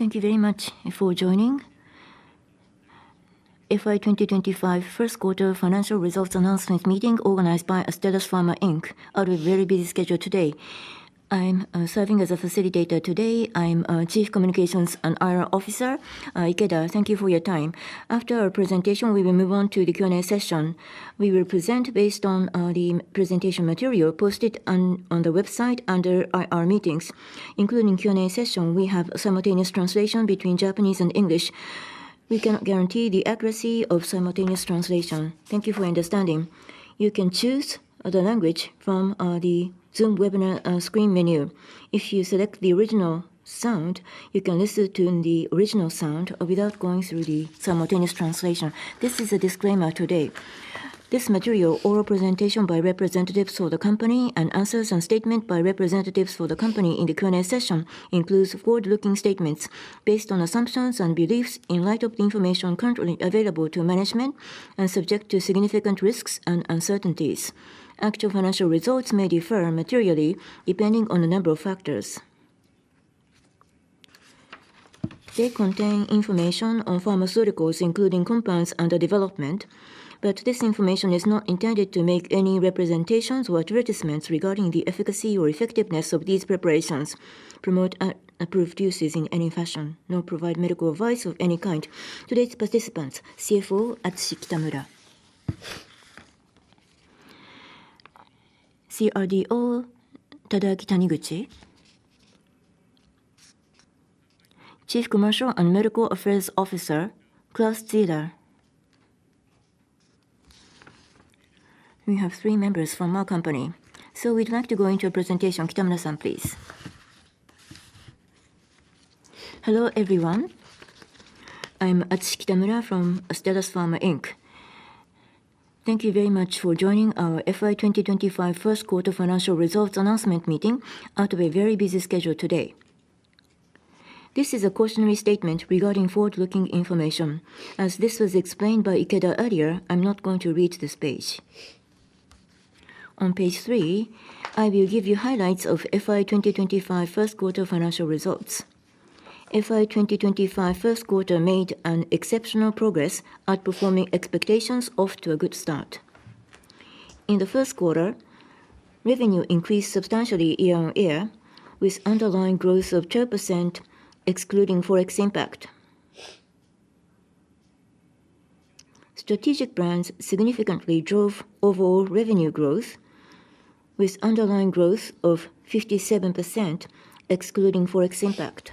Thank you very much for joining FY2025 first quarter financial results Announcement Meeting organized by Astellas Pharma Inc. Out of a very busy schedule today, I'm serving as a facilitator. Today I'm Chief Communications and IR Officer Ikeda. Thank you for your time. After our presentation we will move on to the Q&A session. We will present based on the presentation material posted on the website. Under IR meetings including Q&A session, we have simultaneous translation between Japanese and English. We cannot guarantee the accuracy of simultaneous translation. Thank you for understanding. You can choose the language from the Zoom webinar screen menu. If you select the original sound, you can listen to the original sound without going through the simultaneous translation. This is a disclaimer today. This material oral presentation by representatives for the company and answers and statements by representatives for the Company in the Q&A session includes forward looking statements based on assumptions and beliefs in light of the information currently available to management and subject to significant risks and uncertainties. Actual financial results may differ materially depending on a number of factors. They contain information on pharmaceuticals, including compounds under development, but this information is not intended to make any representations or advertisements regarding the efficacy or effectiveness of these preparations, promote approved uses in any fashion, nor provide medical advice of any kind. Today's Participants CFO Atsushi Kitamura, CRDO Tadaaki Taniguchi, Chief Commercial and Medical Affairs Officer Claus Zieler, we have three members from our company so we'd like to go into a presentation. Kitamura-san, please. Hello everyone. I'm Atsushi Kitamura from Astellas Pharma Inc. Thank you very much for joining our FY2025 first quarter financial results announcement meeting out of a very busy schedule today. This is a cautionary statement regarding forward looking information as this was explained by Ikeda earlier. I'm not going to read this page. On page three I will give you highlights of FY2025 first quarter financial results. FY2025 first quarter made an exceptional progress outperforming expectations off to a good start in the first quarter, revenue increased substantially year-on-year with underlying growth of 12% excluding forex impact. Strategic brands significantly drove overall revenue growth with underlying growth of 57% excluding foreign exchange impact.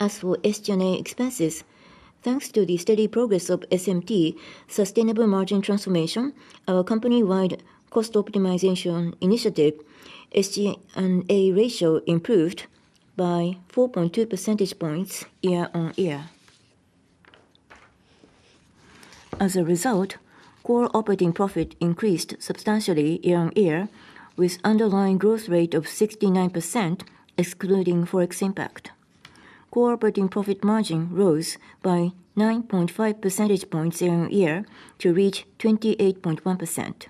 As for SG&A expenses, thanks to the steady progress of SMT, our company-wide cost optimization initiative, the SG&A ratio improved by 4.2 percentage points year-on-year. As a result, core operating profit increased substantially year-on-year with underlying growth rate of 69% excluding foreign exchange forex impact. Core operating profit margin rose by 9.5 percentage points year-on-year to reach 28.1%.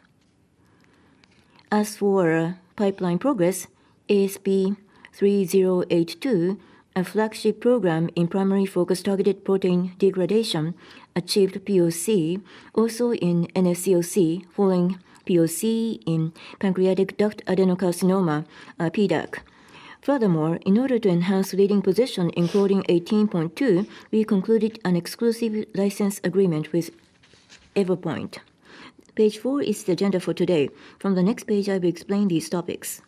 As for pipeline progress, ASP3082, a flagship program in primary focus targeted protein degradation, achieved PoC also in NSCLC following PoC in pancreatic ductal adenocarcinoma, PDAC. Furthermore, in order to enhance leading position including 18.2, we concluded an exclusive license agreement with Evopoint. Page four is the agenda for today. From the next page I will explain these topics.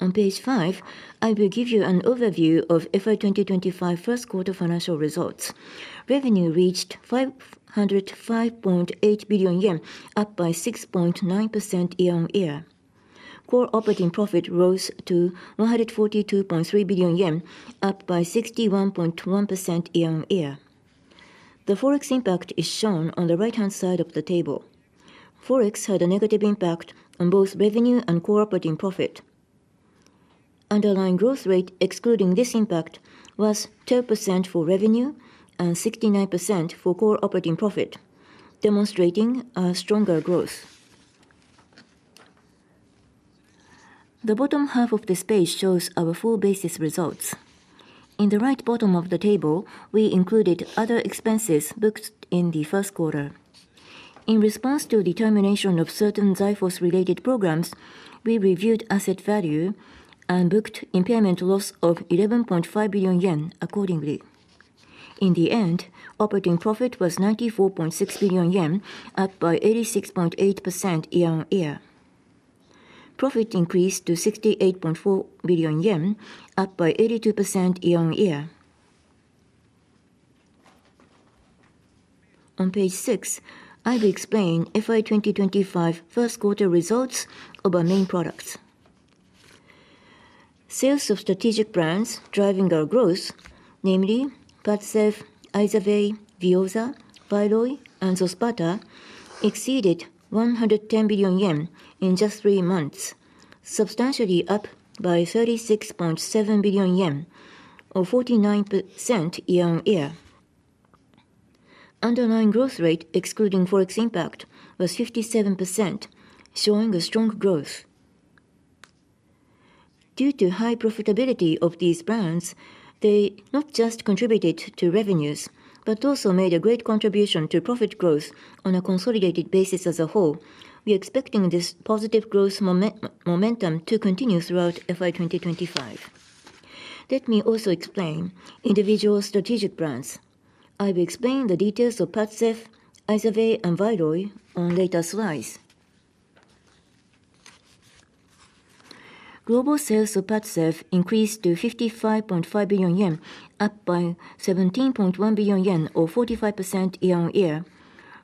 On page five I will give you an overview of FY2025 first quarter financial results. Revenue reached 505.8 billion yen, up by 6.9% year-on-year. Core operating profit rose to 142.3 billion yen, up by 61.1% year-on-year. The forex impact is shown on the right-hand side of the table. Forex had a negative impact on both revenue and core operating profit. Underlying growth rate excluding this impact was 12% for revenue and 69% for core operating profit, demonstrating stronger growth. The bottom half of this page shows our full basis results. In the right bottom of the table we included other expenses booked in the first quarter in response to the termination of certain Xyphos-related programs. We reviewed asset value and booked impairment loss of 11.5 billion yen accordingly. In the end, operating profit was 94.6 billion yen, up by 86.8% year-on-year. Profit increased to 68.4 billion yen, up by 82% year-on-year. On page six I will explain FY2025 first quarter results of our main products. Sales of strategic brands driving our growth, namely PADCEV, IZERVAY, VEOZAH, VYLOY, and XOSPATA, exceeded 110 billion yen in just three months, substantially up by 36.7 billion yen or 49% year-on-year. Underlying growth rate excluding forex impact was 57%, showing a strong growth due to high profitability of these brands. They not just contributed to revenues but also made a great contribution to profit growth on a consolidated basis. As a whole, we are expecting this positive growth momentum to continue throughout FY2025. Let me also explain individual strategic brands. I will explain the details of PADCEV, IZERVAY, and VYLOY on later slides. Global sales of PADCEV increased to 55.5 billion yen, up by 17.1 billion yen or 45% year-on-year.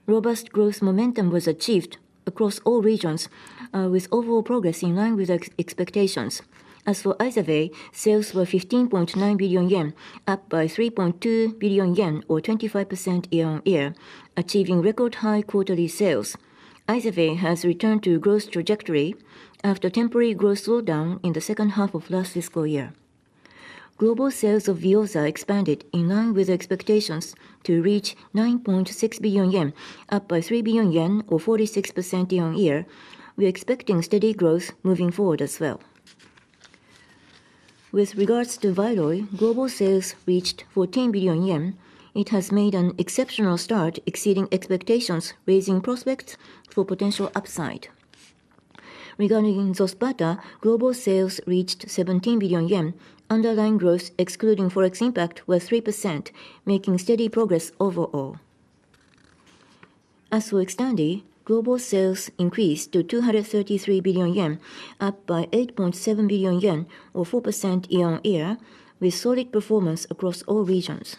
Robust growth momentum was achieved across all regions with overall progress in line with expectations. As for IZERVAY, sales were 15.9 billion yen, up by 3.2 billion yen or 25% yea-on-year, achieving record high quarterly sales. IZERVAY has returned to a growth trajectory after temporary growth slowdown in the second half of last fiscal year. Global sales of VEOZAH expanded in line with expectations to reach 9.6 billion yen, up by 3 billion yen or 46% year-on-year. We are expecting steady growth moving forward as well. With regards to VYLOY, global sales reached 14 billion yen. It has made an exceptional start, exceeding expectations, raising prospects for potential upside. Regarding XOSPATA, global sales reached 17 billion yen. Underlying growth excluding forex impact was 3%, making steady progress overall. As for XTANDI, global sales increased to 233 billion yen, up by 8.7 billion yen or 4% year-on-year with solid performance across all regions.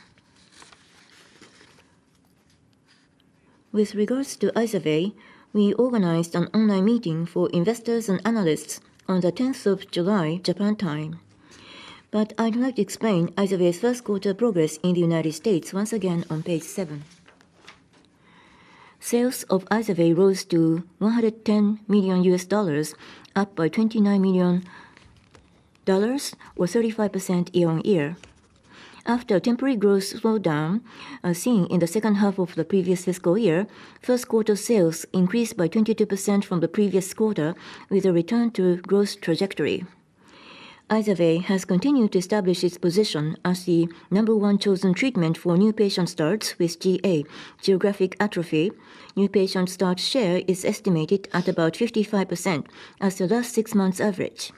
With regards to IZERVAY, we organized an online meeting for investors and analysts on 10th of July Japan time, but I'd like to explain IZERVAY's first quarter progress in the United States once again. On page seven, sales of IZERVAY rose to $110 million, up by $29 million or 35% year-on-year. After temporary growth slowdown seen in the second half of the previous fiscal year, first quarter sales increased by 22% from the previous quarter with a return to growth trajectory. IZERVAY has continued to establish its position as the number one chosen treatment for new patient starts with GA, geographic atrophy. New patient start share is estimated at about 55% as the last six months average.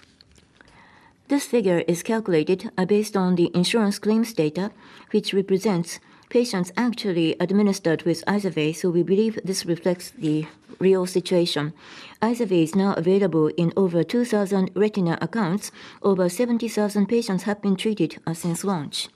This figure is calculated based on the insurance claims data which represents patients actually administered with IZERVAY, so we believe this reflects the real situation. IZERVAY is now available in over 2,000 retina accounts. Over 70,000 patients have been treated since launch.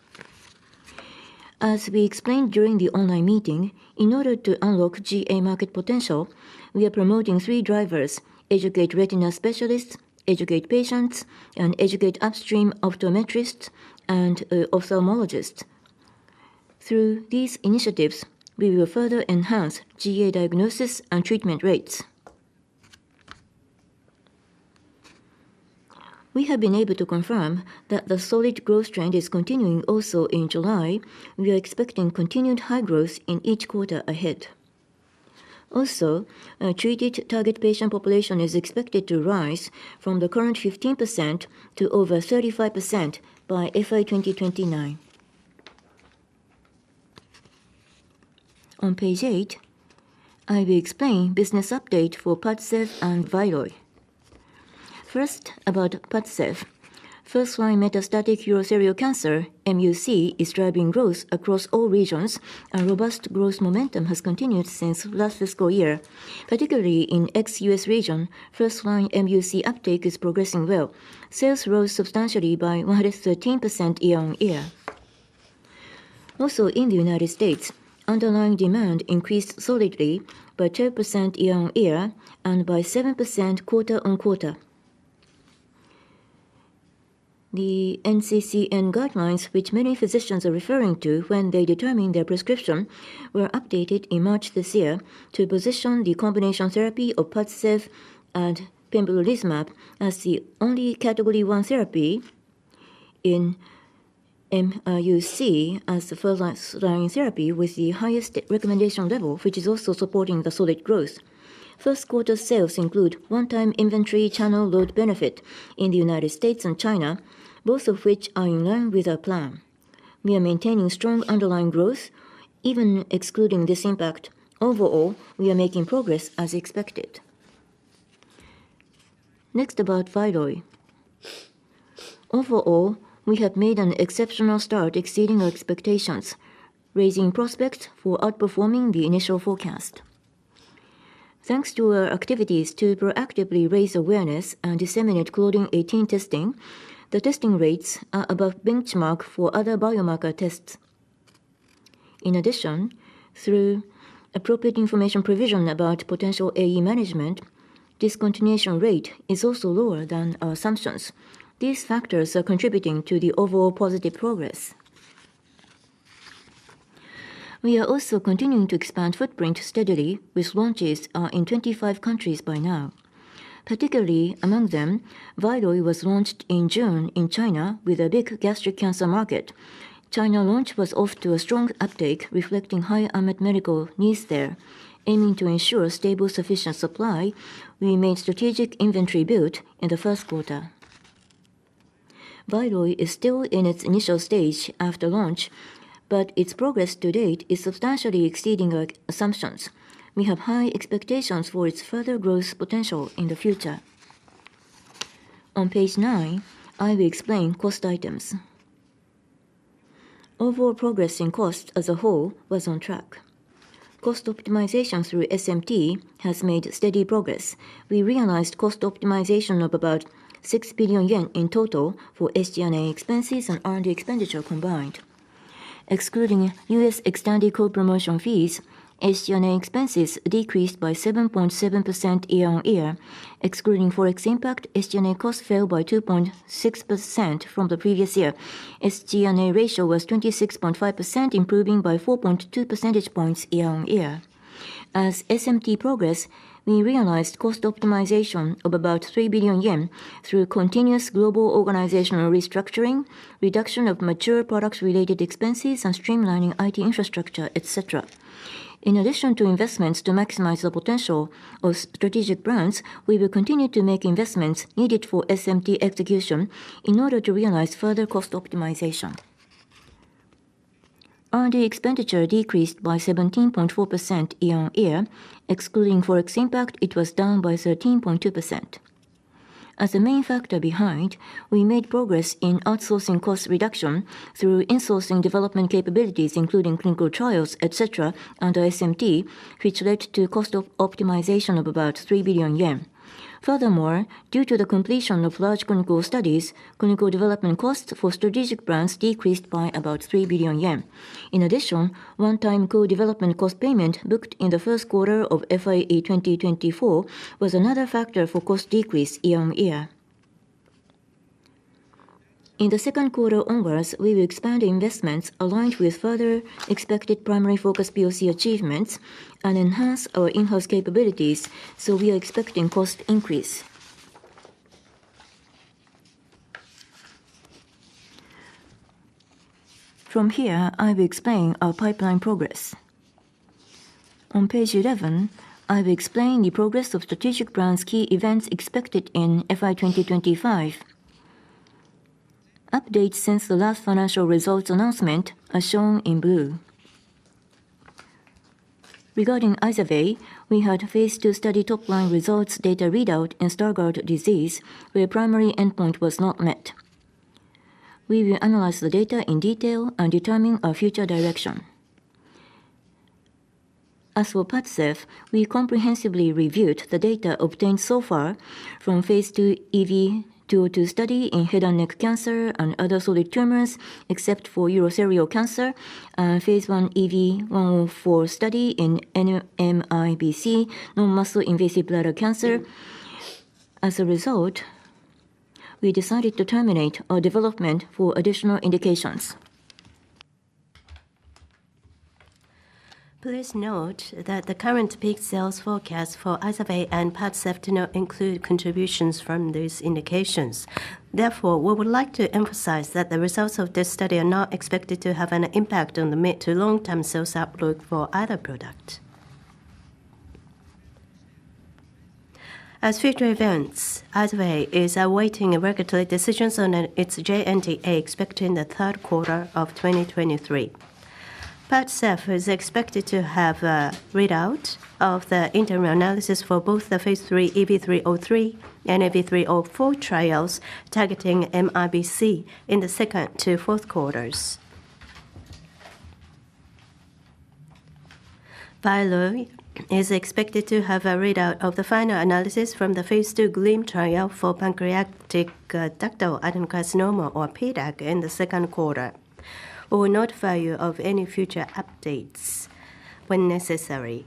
As we explained during the online meeting, in order to unlock GA market potential, we are promoting three drivers: educate retina specialists, educate patients, and educate upstream optometrists and ophthalmologists. Through these initiatives we will further enhance GA diagnosis and treatment rates. We have been able to confirm that the solid growth trend is continuing also in July. We are expecting continued high growth in each quarter ahead. Also, a treated target patient population is expected to rise from the current 15% to over 35% by FY2029. On page 8 I will explain business update for PADCEV and VYLOY. First, about first line metastatic urothelial cancer, MUC is driving growth across all regions and robust growth momentum has continued since last fiscal year, particularly in ex-U.S. region. First line MUC uptake is progressing well. Sales rose substantially by 113% year-on-year. Also in the United States, underlying demand increased solidly by 12% year-on-year and by 7% quarter-on-quarter. The NCCN guidelines, which many physicians are referring to when they determine their prescription, were updated in March this year to position the combination therapy of PADCEV and pembrolizumab as the only category 1 therapy in MUC as first line therapy with the highest recommendation level, which is also supporting the solid growth. First quarter sales include one time inventory channel load benefit in the United States and China, both of which are in line with our plan. We are maintaining strong underlying growth even excluding this impact. Overall we are making progress as expected. Next, about VYLOY. Overall we have made an exceptional start exceeding our expectations, raising prospects for outperforming the initial forecast thanks to our activities to proactively raise awareness and disseminate Claudin 18 testing. The testing rates are above benchmark for other biomarker tests. In addition, through appropriate information provision about potential AE management, discontinuation rate is also lower than our assumptions. These factors are contributing to the overall positive progress. We are also continuing to expand footprint steadily with launches in 25 countries by now, particularly among them. VYLOY was launched in June in China with a big gastric cancer market. China launch was off to a strong uptake reflecting high unmet medical needs there. Aiming to ensure stable sufficient supply, we made strategic inventory build in the first quarter. VYLOY is still in its initial stage after launch, but its progress to date is substantially exceeding our assumptions. We have high expectations for its further growth potential in the future. On page nine I will explain cost items. Overall progress in cost as a whole was on track. Cost optimization through SMT has made steady progress. We realized cost optimization of about 6 billion yen in total for SG&A expenses and R&D expenditure combined, excluding U.S. XTANDI co-promotion fees. SG&A expenses decreased by 7.7% year-on-year excluding foreign exchange impact. SG&A costs fell by 2.6% from the previous year. SG&A ratio was 26.5%, improving by 4.2 percentage points year-on-year. As SMT progress, we realized cost optimization of about 3 billion yen through continuous global organizational restructuring, reduction of mature products related expenses, and streamlining IT infrastructure, et cetera. In addition to investments to maximize the potential of strategic brands, we will continue to make investments needed for SMT execution in order to realize further cost optimization. R&D expenditure decreased by 17.4% year-on-year excluding forex impact. It was down by 13.2%. As the main factor behind, we made progress in outsourcing cost reduction through insourcing development capabilities including clinical trials, et cetera, under SMT which led to cost optimization of about 3 billion yen. Furthermore, due to the completion of large clinical studies, clinical development costs for strategic brands decreased by about 3 billion yen. In addition, one-time co-development cost payment booked in the first quarter of FY2024 was another factor for cost decrease year-on-year. In the second quarter onwards, we will expand investments aligned with further expected primary focus PoC achievements and enhance our in-house capabilities. We are expecting cost increase. From here I will explain our pipeline progress. On page 11, I will explain the progress of strategic plan's key events expected in FY2025. Updates since the last financial results announcement are shown in blue. Regarding IZERVAY, we had Phase II study top-line results, data readout in Stargardt disease where primary endpoint was not met. We will analyze the data in detail and determine a future direction. As for PADCEV, we comprehensively reviewed the data obtained so far from Phase II EV-202 study in head and neck cancer and other solid tumors except for urothelial cancer, Phase I EV-104 study in NMIBC, non-muscle invasive bladder cancer. As a result, we decided to terminate our development for additional indications. Please note that the current peak sales forecast for IZERVAY and PADCEV do not include contributions from these indications. Therefore, we would like to emphasize that the results of this study are not expected to have an impact on the mid- to long-term sales outlook for other products as future events. IZERVAY is awaiting regulatory decisions on its JNDA expecting the third quarter of 2023. PADCEV is expected to have a readout of the interim analysis for both the Phase 3 EV-303 and EV-304 trials targeting MRBC in the second to fourth quarters. VYLOY is expected to have a readout of the final analysis from the Phase II GLEAM trial for pancreatic ductal adenocarcinoma or PDAC in the second quarter or notify you of any future updates when necessary.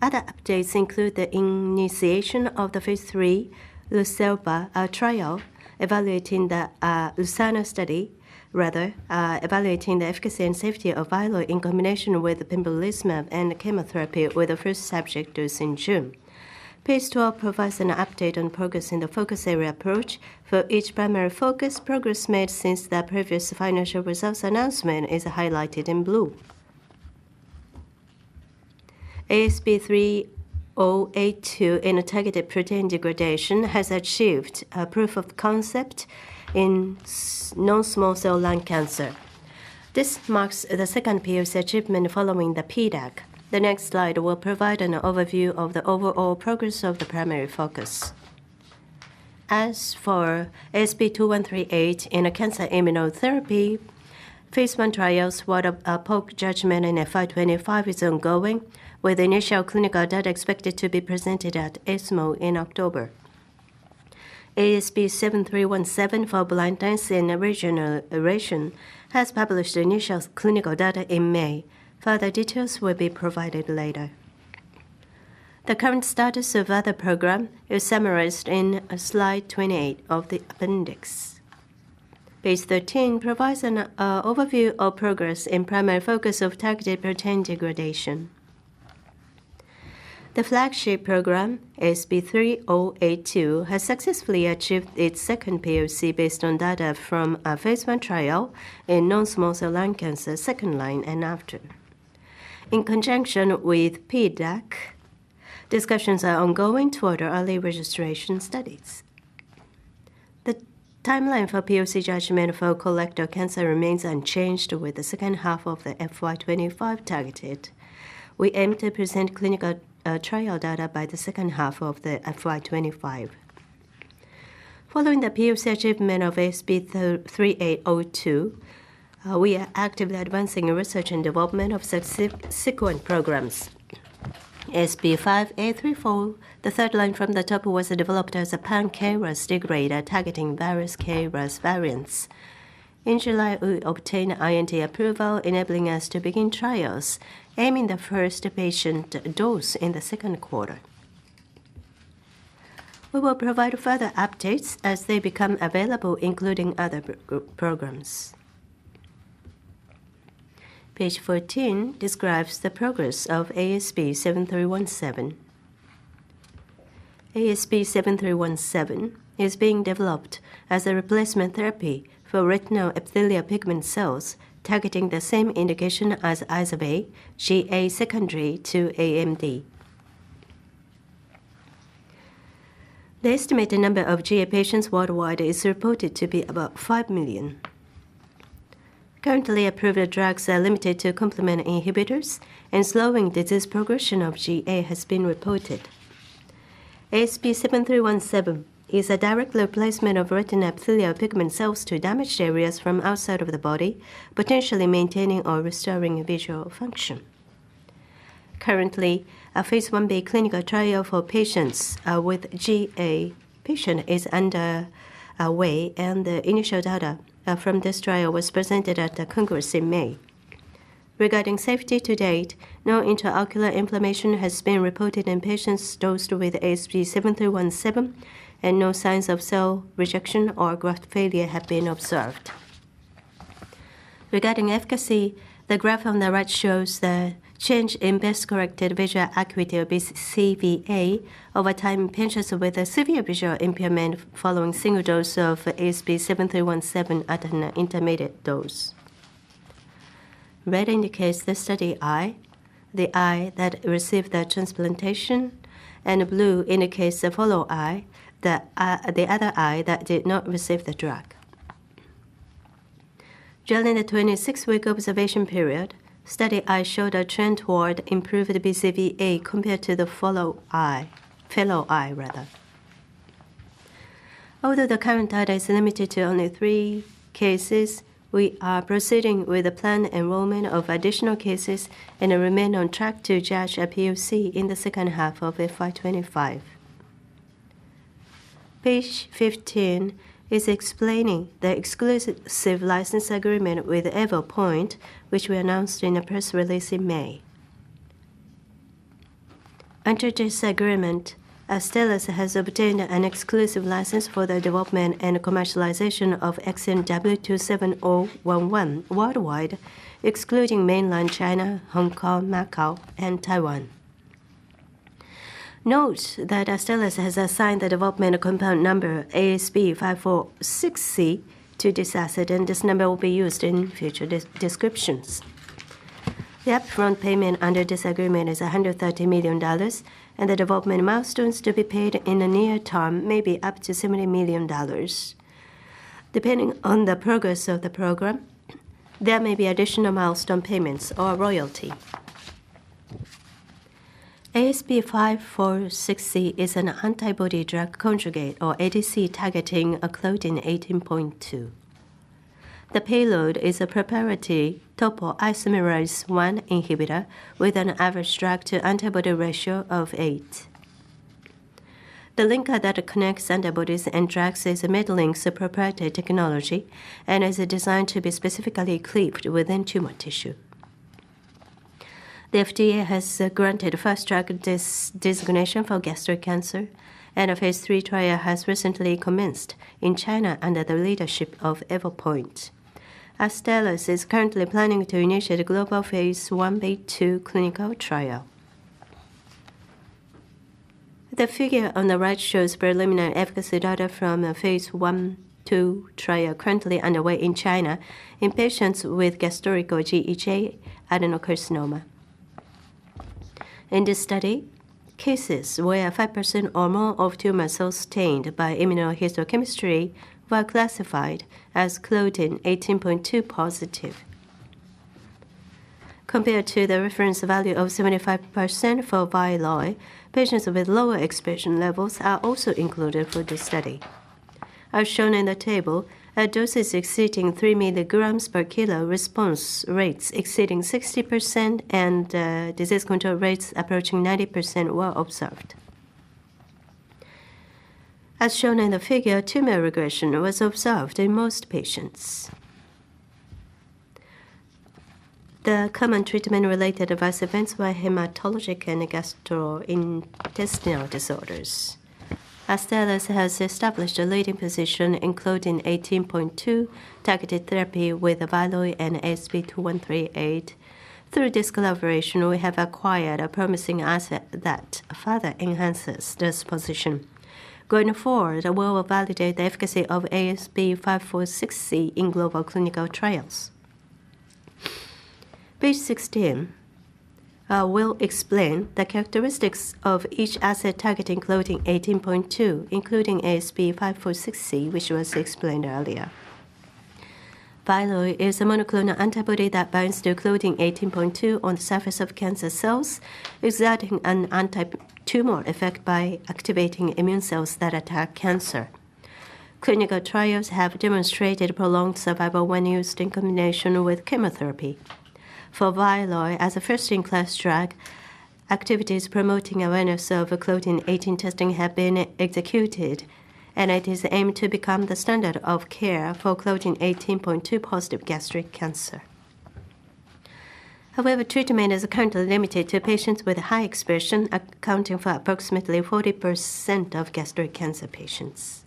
Other updates include the initiation of the Phase III LUCERNA trial, evaluating the LUCERNA study rather evaluating the efficacy and safety of VYLOY in combination with pembrolizumab and chemotherapy with the first subject dose in June. Page 12 provides an update on progress in the focus area approach for each primary focus. Progress made since the previous financial results announcement is highlighted in blue. ASP3082, inner targeted protein degradation, has achieved proof of concept in non-small cell lung cancer. This marks the second PoC treatment following the PDAC. The next slide will provide an overview of the overall progress of the primary focus. As for ASP2138 in a cancer immunotherapy Phase I trials, water PoC judgment in FY2025 is ongoing with initial clinical data expected to be presented at ESMO in October. ASP7317 for blindness and regional duration has published initial clinical data in May. Further details will be provided later. The current status of other programs is summarized in slide 28 of the appendix. Page 13 provides an overview of progress in primary focus of targeted protein degradation. The flagship program ASP3082 has successfully achieved its second PoC based on data from a Phase I trial in non-small cell lung cancer, second line and after, in conjunction with PDAC. Discussions are ongoing toward early registration studies. The timeline for PoC judgment for colorectal cancer remains unchanged with the second half of the FY2025 targeting. We aim to present clinical trial data by the second half of the FY2025. Following the PoC achievement of ASP3082, we are actively advancing research and development of subsequent programs. ASP5834, the third line from the top, was developed as a pan-KRAS degrader targeting various KRAS variants. In July we obtained IND approval enabling us to begin trials aiming the first patient dose in the second quarter. We will provide further updates as they become available including other programs. Page 14 describes the progress of ASP7317. ASP7317 is being developed as a replacement therapy for retinal pigment epithelial cells targeting the same indication as IZERVAY, GA secondary to AMD. The estimated number of GA patients worldwide is reported to be about 5 million. Currently approved drugs are limited to complement inhibitors and slowing disease progression of GA has been reported. ASP7317 is a direct replacement of retinal pigment epithelial cells to damaged areas from outside of the body, potentially maintaining or restoring visual function. Currently, a Phase Ib clinical trial for patients with GA is underway and the initial data from this trial was presented at the Congress in May regarding safety. To date, no intraocular inflammation has been reported in patients dosed with ASP7317 and no signs of cell rejection or graft failure have been observed. Regarding efficacy, the graph on the right shows the change in best corrected visual acuity or BCVA over time. Patients with severe visual impairment following single dose of ASP7317 at an intermediate dose. Red indicates the study eye, the eye that received the transplantation, and blue indicates the fellow eye, the other eye that did not receive the drug. During the 26-week observation period, the study eye showed a trend toward improved BCVA compared to the fellow eye. Although the current data is limited to only three cases, we are proceeding with the planned enrollment of additional cases and remain on track to judge a PoC in the second half of FY2025. Page 15 is explaining the exclusive license agreement with Evopoint, which we announced in a press release in May. Under this agreement, Astellas has obtained an exclusive license for the development and commercialization of XNW27011 worldwide, excluding mainland China, Hong Kong, Macau, and Taiwan. Note that Astellas has assigned the development compound number ASP546C to this asset and this number will be used in future descriptions. The upfront payment under this agreement is $130 million and the development milestones to be paid in the near term may be up to $70 million. Depending on the progress of the program, there may be additional milestone payments or royalty. ASP546C is an antibody-drug conjugate or ADC targeting Claudin 18.2. The payload is a proprietary topoisomerase 1 inhibitor with an average drug-to-antibody ratio of eight. The linker that connects antibodies and drugs is MediLink proprietary technology and is designed to be specifically cleaved within tumor tissue. The FDA has granted fast-track designation for gastric cancer and a Phase III trial has recently commenced in China under the leadership of Evopoint. Astellas is currently planning to initiate a global Phase Ib/II clinical trial. The figure on the right shows preliminary efficacy data from a Phase I/II trial currently underway in China in patients with gastric adenocarcinoma. In this study, cases where 5% or more of tumor cells stained by immunohistochemistry were classified as Claudin 18.2 positive compared to the reference value of 75% for VYLOY. Patients with lower expression levels are also included for this study. As shown in the table, doses exceeding 3 mg per kg, response rates exceeding 60%, and disease control rates approaching 90% were observed as shown in the figure. Tumor regression was observed in most patients. The common treatment-related adverse events were hematologic and gastrointestinal disorders. Astellas has established a leading position in Claudin 18.2 targeted therapy with VYLOY and ASP2138. Through this collaboration, we have acquired a promising asset that further enhances this position. Going forward, we will validate the efficacy of ASP546C in global clinical trials. Page 16 will explain the characteristics of each asset targeting Claudin 18.2 including ASP546C, which was explained earlier. VYLOY is a monoclonal antibody that binds to Claudin 18.2 on the surface of cancer cells, exerting an anti-tumor effect by activating immune cells that attack cancer. Clinical trials have demonstrated prolonged survival when used in combination with chemotherapy for VYLOY as a first-in-class drug. Activities promoting awareness of Claudin 18 testing have been executed and it is aimed to become the standard of care for Claudin 18.2 positive gastric cancer. However, treatment is currently limited to patients with high expression, accounting for approximately 40% of gastric cancer patients.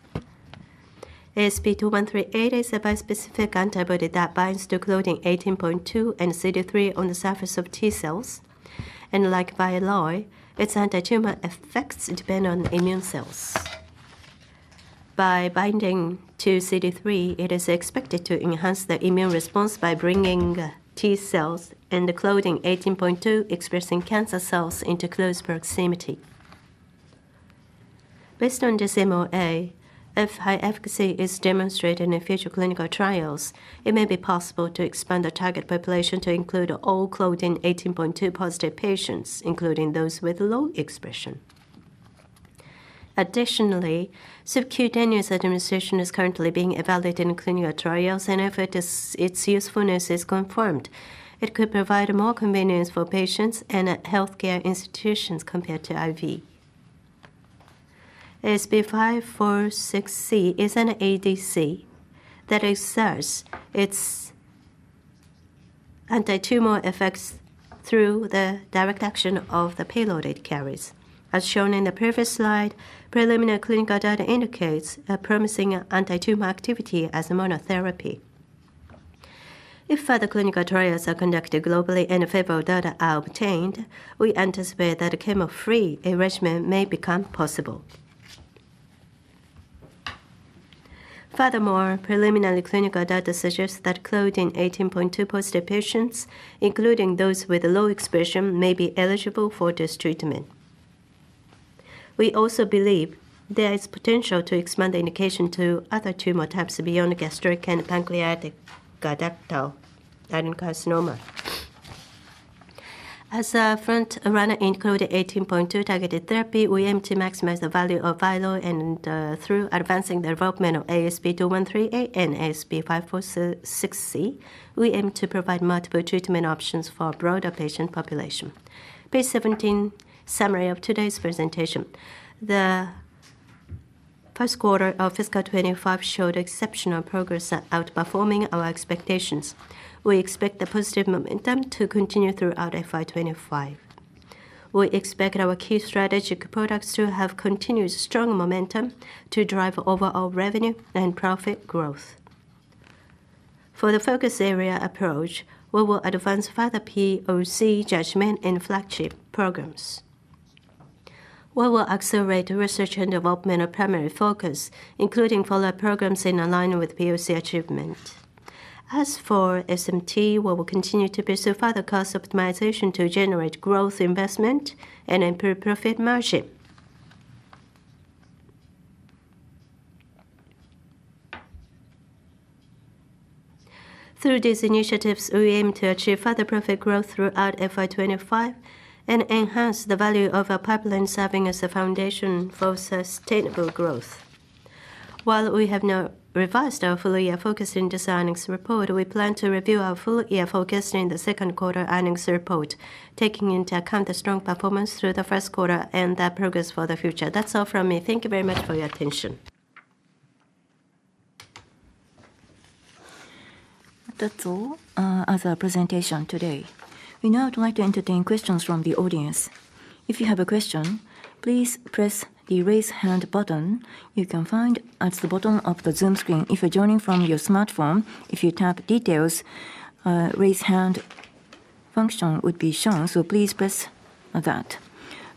ASP2138 is a bispecific antibody that binds to Claudin 18.2 and CD3 on the surface of T-cells and like VYLOY, its antitumor effects depend on immune cells. By binding to CD3, it is expected to enhance the immune response by bringing T-cells and Claudin 18.2 expressing cancer cells into close proximity. Based on this MOA, if high efficacy is demonstrated in future clinical trials, it may be possible to expand the target population to include all Claudin 18.2 positive patients including those with low expression. Additionally, subcutaneous administration is currently being evaluated in clinical trials and if its usefulness is confirmed, it could provide more convenience for patients and healthcare institutions compared to IV. ASP546C is an ADC that excels in antitumor effects through the direct action of the payload it carries. As shown in the previous slide, preliminary clinical data indicates a promising antitumor activity as monotherapy. If further clinical trials are conducted globally and favorable data are obtained, we anticipate that a chemo-free arrangement may become possible. Furthermore, preliminary clinical data suggests that Claudin 18.2 positive patients, including those with low expression, may be eligible for this treatment. We also believe there is potential to expand the indication to other tumor types beyond gastric and pancreatic ductal adenocarcinoma as a front runner in Claudin 18.2 targeted therapy. We aim to maximize the value of VYLOY and through advancing the development of ASP2138 and ASP546C, we aim to provide multiple treatment options for a broader patient population. Page 17 summary of today's presentation: the first quarter of fiscal 2025 showed exceptional progress outperforming our expectations. We expect the positive momentum to continue throughout FY2025. We expect our key strategic products to have continued strong momentum to drive overall revenue and profit growth. For the focus area approach, we will advance further PoC judgment and flagship programs. We will accelerate research and development with a primary focus, including follow-up programs in alignment with PoC achievement. As for SMT, we will continue to pursue further cost optimization to generate growth investment and improve profit margin. Through these initiatives, we aim to achieve further profit growth throughout FY2025 and enhance the value of our pipeline, serving as a foundation for sustainable growth. While we have now revised our full year forecasting designings report, we plan to review our full year forecasting the second quarter earnings report taking into account the strong performance through the first quarter and the progress for the future. That's all from me. Thank you very much for your attention. That's all as a presentation today, we now would like to entertain questions from the audience. If you have a question, please press the raise hand button you can find at the bottom of the Zoom screen. If you're joining from your smartphone, if you tap details, raise hand function would be shown. Please press that.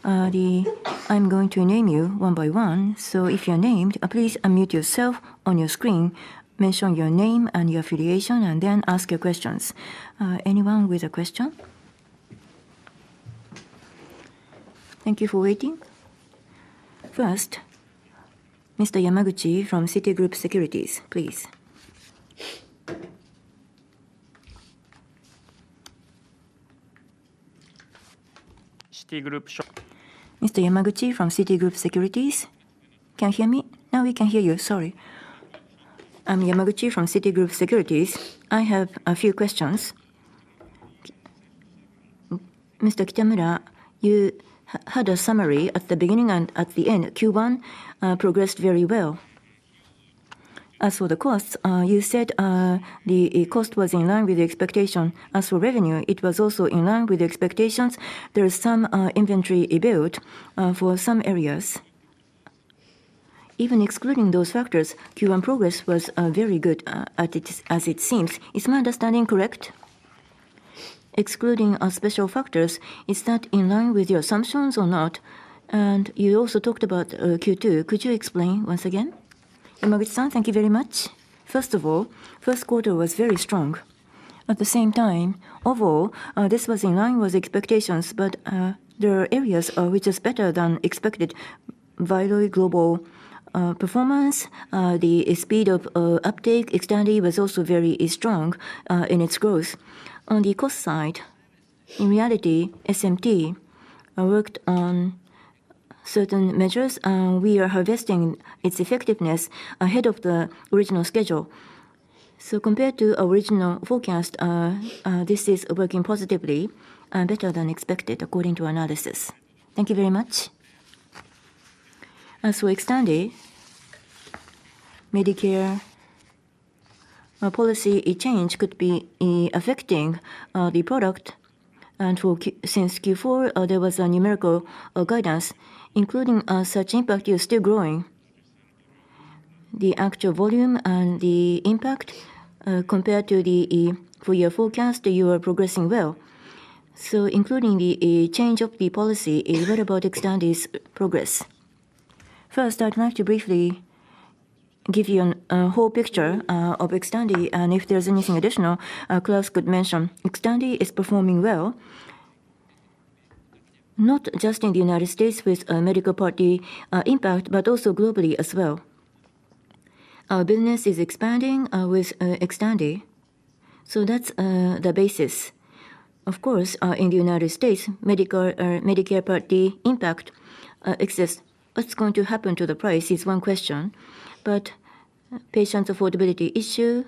I'm going to name you one by one. If you're named, please unmute yourself on your screen, mention your name and your affiliation, and then ask your questions. Anyone with a question, thank you for waiting. First, Mr. Yamaguchi from Citigroup Securities, please. Mr. Yamaguchi from Citigroup Securities. Can you hear me now? We can hear you. Sorry. I'm Yamaguchi from Citigroup Securities. I have a few questions. Mr. Kitamura, you had a summary at the beginning and at the end. Q1 progressed very well. As for the costs, you said the cost was in line with the expectation. As for revenue, it was also in line with expectations. There is some inventory above for some areas. Even excluding those factors, Q1 progress was very good as it seems. Is my understanding correct? Excluding special factors, is that in line with your assumptions or not? You also talked about Q2. Could you explain once again? Yamaguchi-san, thank you very much. First of all, first quarter was very strong. At the same time, overall this was in line with expectations. There are areas which are better than expected. VYLOY global performance, the speed of uptake XTANDI was also very strong in its growth. On the cost side, in reality, SMT worked on certain measures. We are harvesting its effectiveness ahead of the original schedule. Compared to original forecast, this is working positively, better than expected according to analysis. Thank you very much. As for XTANDI, Medicare policy change could be affecting the product. Since Q4, there was a numerical guidance including such impact is still growing. The actual volume and the impact compared to the full year forecast, you are progressing well. Including the change of the policy, what about XTANDI progress? First, I'd like to briefly give you a whole picture of XTANDI, and if there's anything additional Claus could mention. XTANDI is performing well not just in the United States with a Medicare Part D impact, but also globally as well. Our business is expanding with XTANDI. That's the basis. Of course, in the United States, Medicare Part D impact, what's going to happen to the price is one question, but patient affordability issue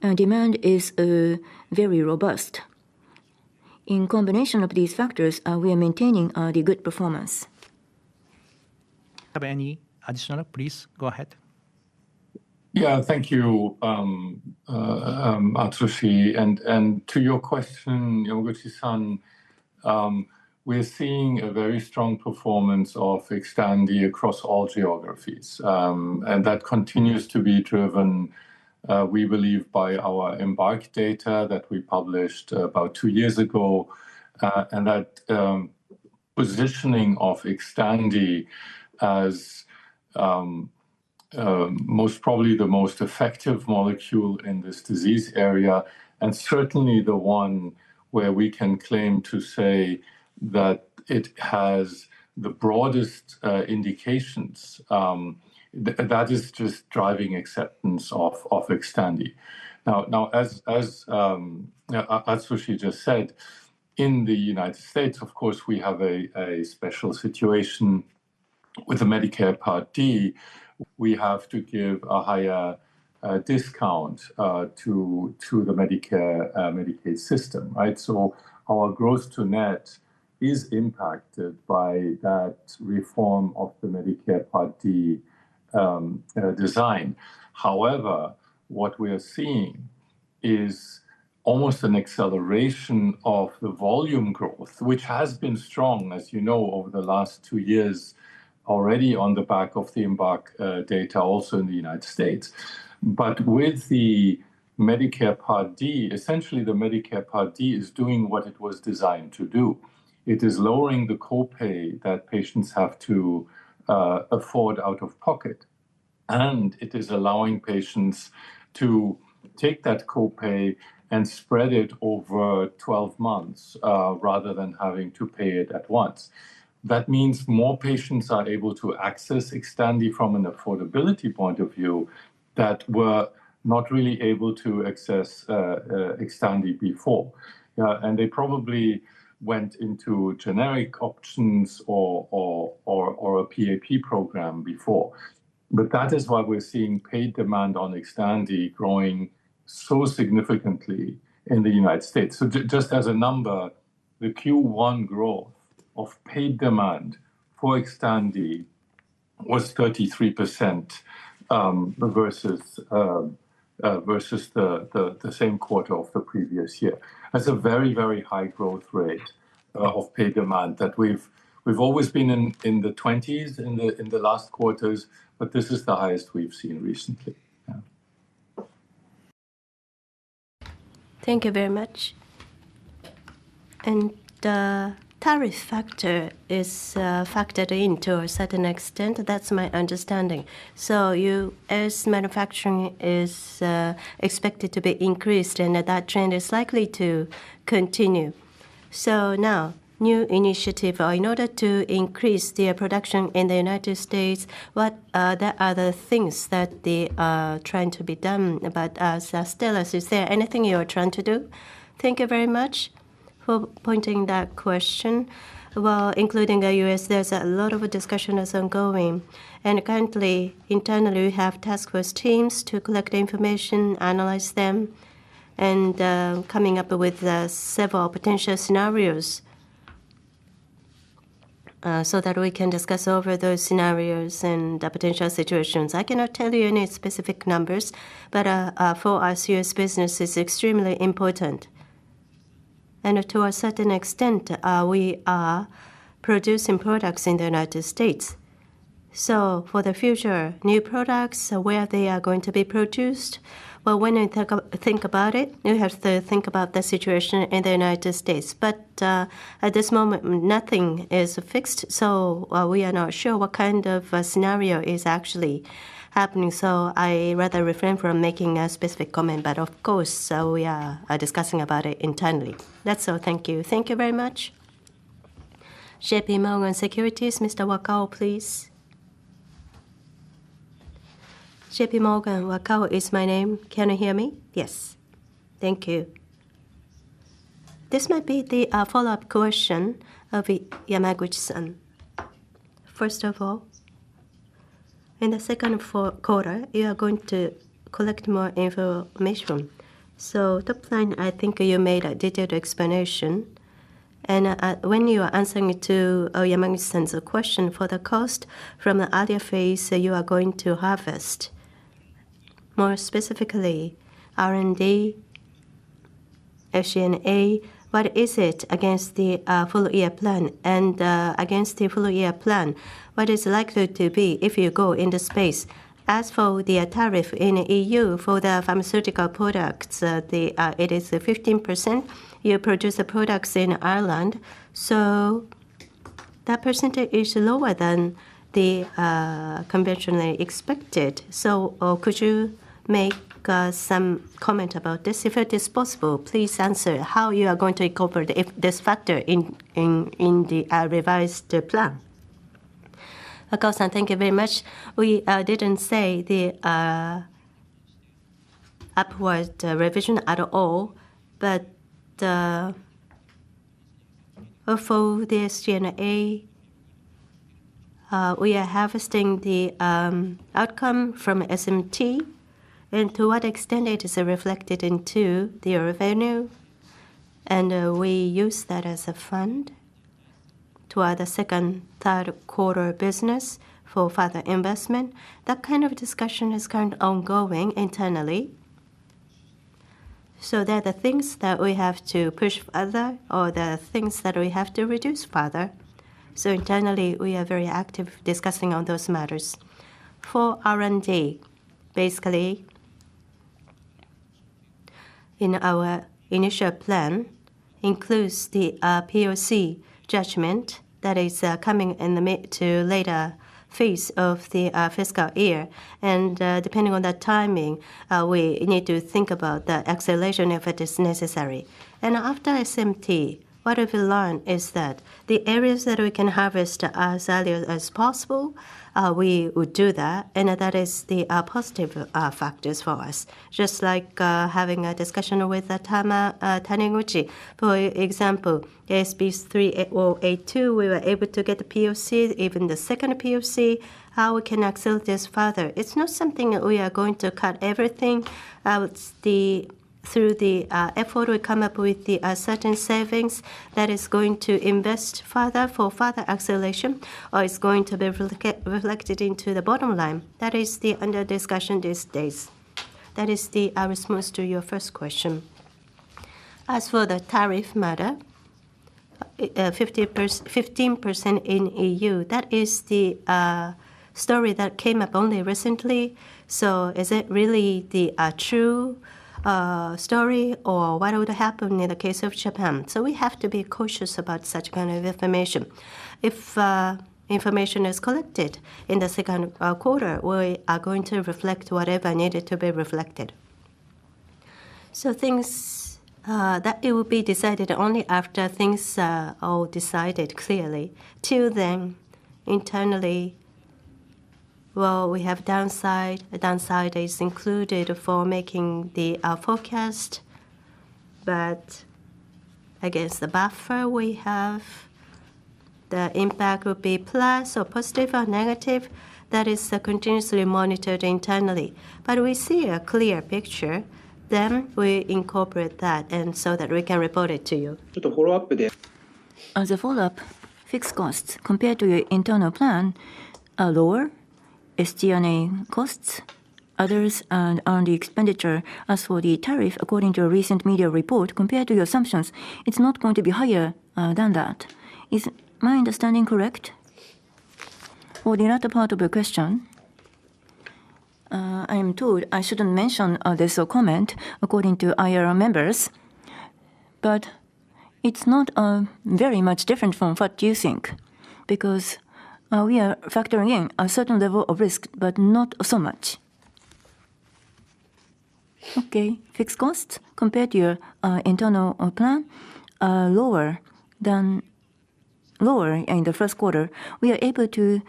and demand is very robust. In combination of these factors, we are maintaining the good performance. Have any additional? Please go ahead. Yeah, thank you, Atsushi, and to your question, Yamaguchi-san, we're seeing a very strong performance of XTANDI across all geographies, and that continues to be driven, we believe, by our EMBARK data that we published about two years ago and that positioning of XTANDI as most probably the most effective molecule in this disease area and certainly the one where we can claim to say that it has the broadest indications. That is just driving acceptance of XTANDI. Now, as Atsushi just said, in the United States, of course, we have a special situation with the Medicare Part D. We have to give a higher discount to the Medicare system. Our growth to net is impacted by that reform of the Medicare Part D design. However, what we are seeing is almost an acceleration of the volume growth, which has been strong, as you know, over the last two years already on the back of the EMBARK data also in the United States. With the Medicare Part D, essentially the Medicare Part D is doing what it was designed to do. It is lowering the co-pay that patients have to afford out of pocket, and it is allowing patients to take that co-pay and spread it over 12 months rather than having to pay it at once. That means more patients are able to access XTANDI from an affordability point of view that were not really able to access XTANDI before, and they probably went into generic options or a PAP program before. That is why we're seeing paid demand on XTANDI growing so significantly in the United States. Just as a number, the Q1 growth of paid demand for XTANDI was 33% versus the same quarter of the previous year. That's a very, very high growth rate of paid demand. We've always been in the twenties in the last quarters, but this is the highest we've seen recently. Thank you very much. Tariff factor is factored in to a certain extent, that's my understanding. U.S. manufacturing is expected to be increased and that trend is likely to continue. Now, new initiative in order to increase their production in the United States. What are the things that they are trying to be done? Still, is there anything you are trying to do? Thank you very much for pointing that question. Including the U.S., there's a lot of discussion that's ongoing and currently internally we have task force teams to collect information, analyze them, and coming up with several potential scenarios so that we can discuss over those scenarios and potential situations. I cannot tell you any specific numbers but for our U.S. business it's extremely important and to a certain extent we are producing products in the United States. For the future, new products, where are they going to be produced? When I think about it, you have to think about the situation in the United States. At this moment nothing is fixed so we are not sure what kind of scenario is actually happening. I rather refrain from making a specific comment. Of course, we are discussing about it internally. That's all. Thank you. Thank you very much. JPMorgan Securities, Mr. Wakao, please. JP Morgan. Wakao is my name. Can you hear me? Yes. Thank you. This might be the follow-up question of Yamaguchi-san. First of all, in the second quarter you are going to collect more information. Top-line, I think you made a detailed explanation and when you are answering to Yamaguchi-san's question for the cost from the earlier phase, you are going to harvest more specifically R&D, SG&A, what is it against the full year plan and against the full year plan what is likely to be if you go into space. As for the tariff in the EU for the pharmaceutical products, it is 15%. You produce the products in Ireland so that percentage is lower than the conventionally expected. Could you make some comment about this if it is possible? Please answer how you are going to incorporate this factor in the revised plan. Wakao-san, thank you very much. We did not say the upward revision at all. For the SG&A, we are harvesting the outcome from SMT and to what extent it is reflected into the revenue and we use that as a fund to add a second, third quarter business for further investment. That kind of discussion is ongoing internally. There are the things that we have to push further or the things that we have to reduce further. Internally we are very active discussing on those matters. For R&D, basically in our initial plan includes the PoC judgment that is coming in the mid to later phase of the fiscal year. Depending on that timing, we need to think about the acceleration if it is necessary. After SMT, what we've learned is that the areas that we can harvest as early as possible we would do that. That is the positive factor for us. Just like having a discussion with Taniguchi, for example, ASP3082, we were able to get the PoC, even the second PoC. How we can accelerate this further. It's not something that we are going to cut everything. Through the effort we come up with certain savings that is going to invest further for further acceleration or it's going to be reflected into the bottom line. That is under discussion these days. That is the response to your first question. As for the tariff matter, 15% in EU, that is the story that came up only recently. Is it really the true story or what would happen in the case of Japan? We have to be cautious about such kind of information. If information is collected in the second quarter, we are going to reflect whatever needed to be reflected. Things that will be decided only after things are all decided clearly. Till then internally, we have downside. Downside is included for making the forecast, but against the buffer we have, the impact would be plus or positive or negative. That is continuously monitored internally. When we see a clear picture, then we incorporate that so that we can report it to you As a follow-up. Fixed costs compared to your internal plan are lower. SG&A costs, others, and R&D expenditure. As for the tariff, according to a recent media report, compared to your assumptions, it is not going to be higher than that. Is my understanding correct? For the latter part of the question? I am told I should not mention this or comment according to IR members, but it is not very much different from what you think because we are factoring in a certain level of risk but not so much. Okay. Fixed cost compared to your internal plan lower than lower in the first quarter. We are able to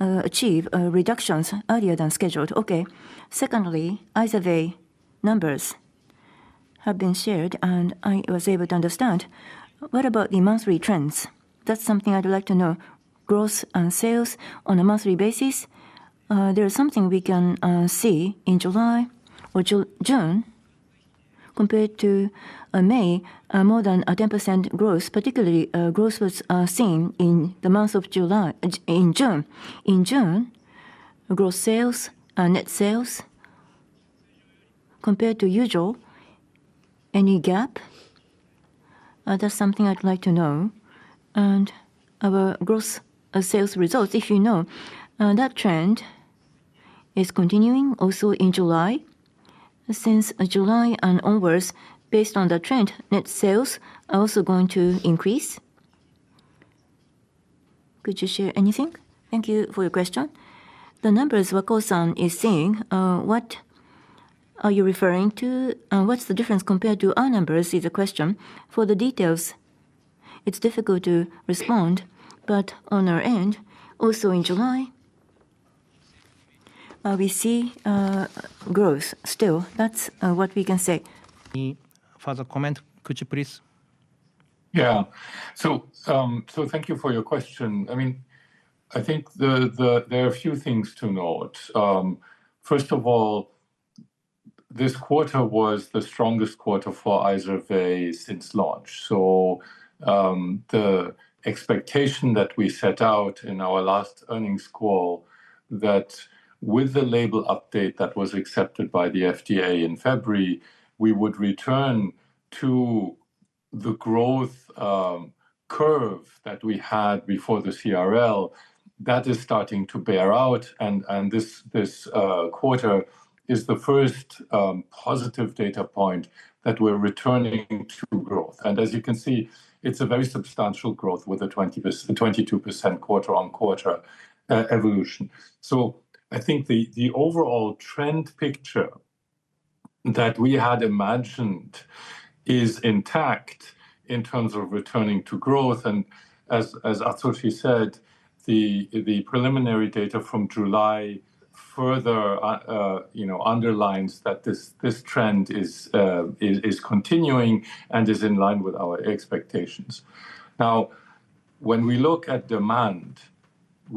achieve reductions earlier than scheduled. Okay. Secondly, IZERVAY, numbers have been shared and I was able to understand. What about the monthly trends? That is something I would like to know. Growth and sales on a monthly basis. There is something we can see in July or June compared to May, more than a 10% growth. Particularly, growth was seen in the month of July, in June. In June, gross sales, net sales compared to usual, any gap. That is something I would like to know. And our gross sales results, if you know that trend is continuing also in July, since July and onwards, based on the trend, net sales are also going to increase. Could you share anything? Thank you for your question. The numbers Wakao-san is saying, what are you referring to and what is the difference compared to our numbers is a question. For the details, it is difficult to respond, but on our end also in July we see growth still. That is what we can say. Further comment, could you please? Yeah, thank you for your question. I mean, I think there are a few things to note. First of all, this quarter was the strongest quarter for IZERVAY since launch. The expectation that we set out in our last earnings call, that with the label update that was accepted by the FDA in February, we would return to the growth curve that we had before the CRL, that is starting to bear out. This quarter is the first positive data point that we're returning to growth. As you can see, it's a very substantial growth with a 22% quarter-on-quarter evolution. I think the overall trend picture that we had imagined is intact in terms of returning to growth. As Atsushi said, the preliminary data from July further, you know, underlines that this trend is continuing and is in line with our expectations. Now, when we look at demand,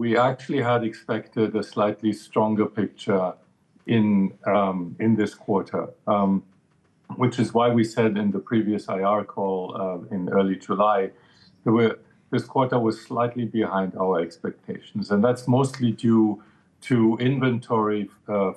we actually had expected a slightly stronger picture in this quarter, which is why we said in the previous IR call in early July this quarter was slightly behind our expectations, and that's mostly due to inventory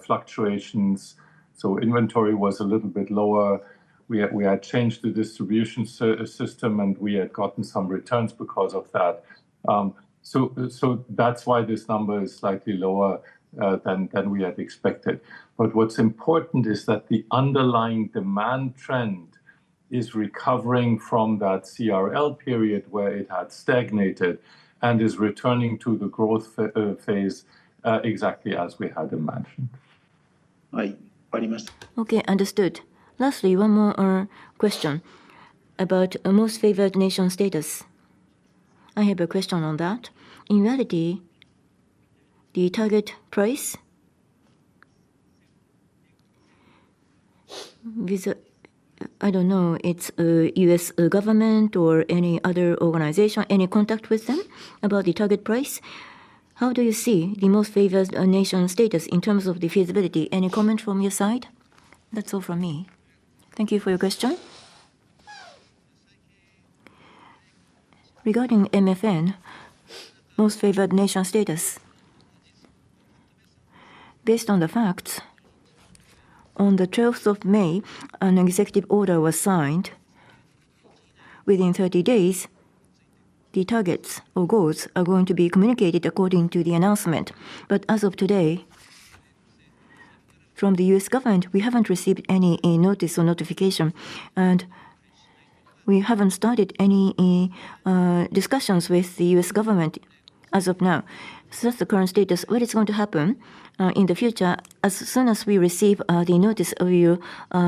fluctuations. Inventory was a little bit lower. We had changed the distribution system and we had gotten some returns because of that. That's why this number is slightly lower than we had expected. What's important is that the underlying demand trend is recovering from that CRL period where it had stagnated and is returning to the growth phase exactly as we had imagined. Okay, understood. Lastly, one more question about a most favored nation status. I have a question on that. In reality, the target price, I do not know if it is U.S. government or any other organization. Any contact with them about the target price? How do you see the most favored nation status in terms of the feasibility? Any comment from your side? That is all from me. Thank you for your question regarding MFN, most favored nation status. Based on the facts, on 12th May, an executive order was signed. Within 30 days, the targets or goals are going to be communicated according to the announcement. As of today from the U.S. government, we have not received any notice or notification and we have not started any discussions with the U.S. government as of now since the current status, what is going to happen in the future? As soon as we receive the notice, we will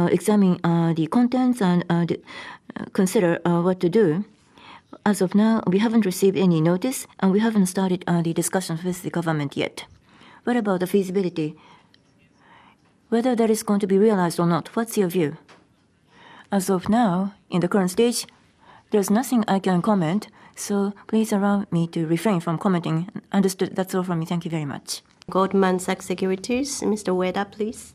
examine the contents and consider what to do. As of now, we have not received any notice and we have not started the discussions with the government yet. What about the feasibility? Whether that is going to be realized or not? What is your view? as of now in the current stage, there is nothing I can comment. Please allow me to refrain from commenting. Understood. That is all from me. Thank you very much. Goldman Sachs Securities, Mr. Ueda, please.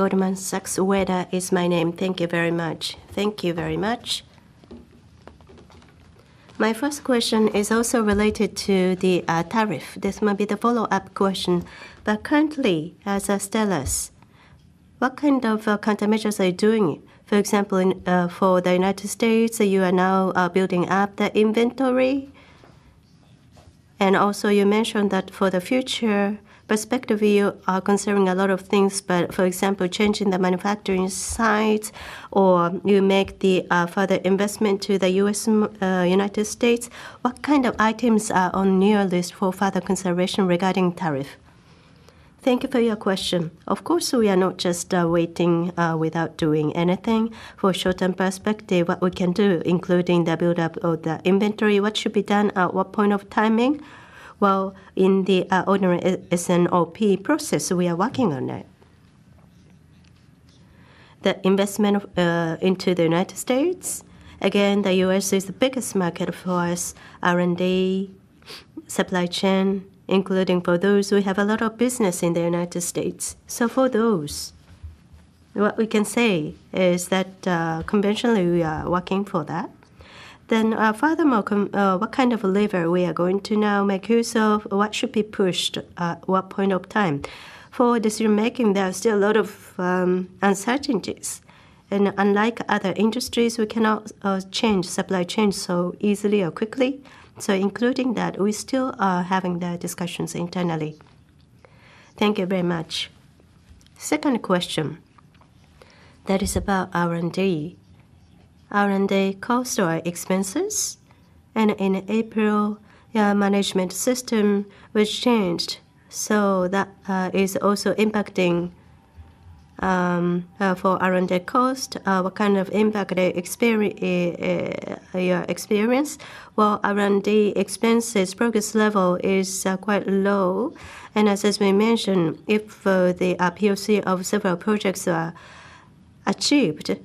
Goldman Sachs, Ueda is my name. Thank you very much. Thank you very much. My first question is also related to the tariff. This might be the follow-up question, but currently as Astellas, what kind of countermeasures are you doing? For example, for the United States, you are now building up the inventory, and also you mentioned that for the future perspective you are considering a lot of things, but for example, changing the manufacturing site or you make the further investment to the United States, what kind of items are on your list for further consideration regarding tariff? Thank you for your question. Of course, we are not just waiting without doing anything. For short-term perspective, what we can do, including the build-up of the inventory, what should be done at what point of timing? In the ordinary S&OP process, we are working on it. The investment into the United States. Again, the U.S. is the biggest market for R&D supply chain, including for those who have a lot of business in the United States. For those, what we can say is that conventionally we are working for that. Furthermore, what kind of lever we are going to now make use of, what should be pushed at what point of time for decision making, there are still a lot of uncertainties, and unlike other industries, we cannot change supply chain so easily or quickly. Including that, we still are having the discussions internally. Thank you very much. Second question, that is about R&D, R&D cost or expenses, and in April management system was changed. That is also impacting for R&D cost. What kind of impact experience? R&D expenses progress level is quite low, and as you mentioned, if the PoC of several projects are achieved,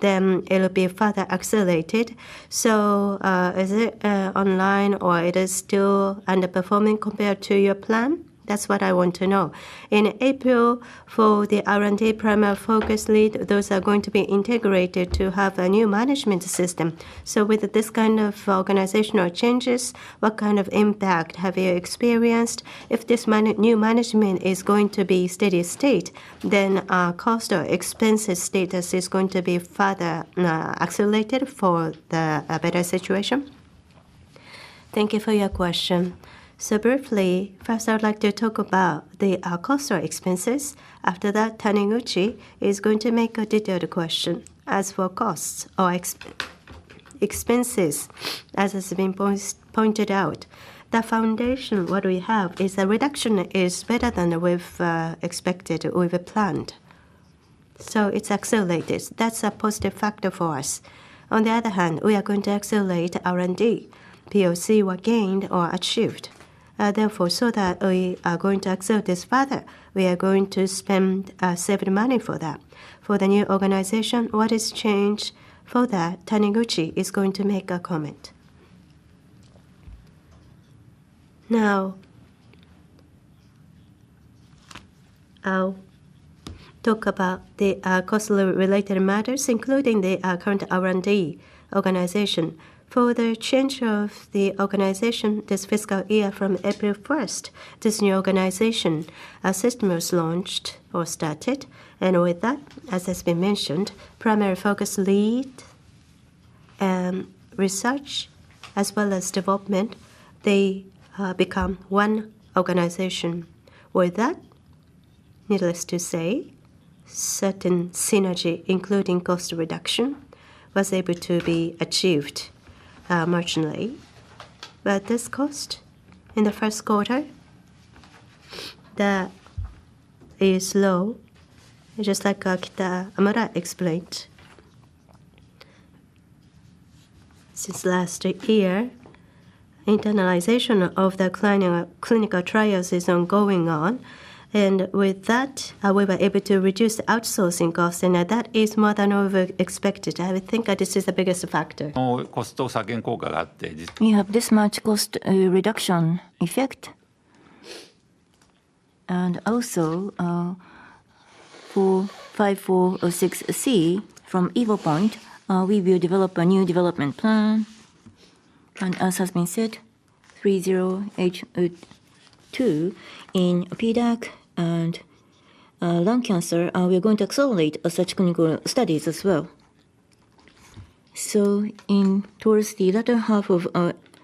then it will be further accelerated. Is it online or is it still underperforming compared to your plan? That's what I want to know. In April, for the R&D primary focus lead, those are going to be integrated to have a new management system. With this kind of organizational changes, what kind of impact have you experienced? If this new management is going to be steady state, then cost or expenses status is going to be further accelerated for a better situation. Thank you for your question. Briefly, first I'd like to talk about the cost of expenses. After that, Taniguchi is going to make a detailed question. As for costs or expenses, as has been pointed out, the foundation, what we have is the reduction is better than we expected. We were planned, so it's accelerated. That's a positive factor for us. On the other hand, we are going to accelerate R&D. PoC were gained or achieved. Therefore, we are going to accelerate this further, we are going to spend saved money for that. For the new organization, what is changed for that, Taniguchi is going to make a comment. Now I'll talk about the cost-related matters, including the current R&D organization. For the change of the organization this fiscal year, from April 1st, this new organization system was launched or started. With that, as has been mentioned, primary focus, lead research as well as development, they become one organization. With that, needless to say, certain synergy including cost reduction was able to be achieved marginally. This cost in the first quarter is low. Just like Kitamura explained since last year, internalization of the clinical trials is ongoing and with that we were able to reduce outsourcing cost and that is more than we expected. I would think this is the biggest factor. You have this much cost reduction effect. Also, for ASP546C from Evopoint, we will develop a new development plan and as has been said, 3082 in PDAC and lung cancer, we are going to accelerate such clinical studies as well. Towards the latter half of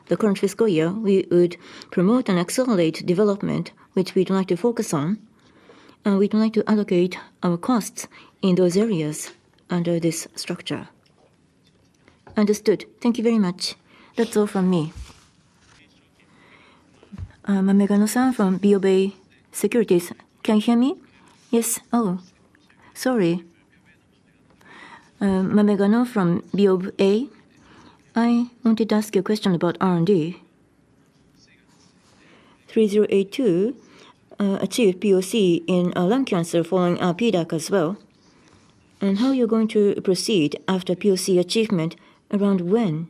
the current fiscal year, we would promote and accelerate development, which we would like to focus on and we would like to allocate our costs in those areas under this structure. Understood. Thank you very much. That's all from me. Mamegano-san from BofA Securities. Can you hear me? Yes. Oh, sorry. Mamegano from BofA. I wanted to ask you a question about R&D. 3082 achieved PoC in lung cancer following PDAC as well. And how going to proceed after PoC achievement, around when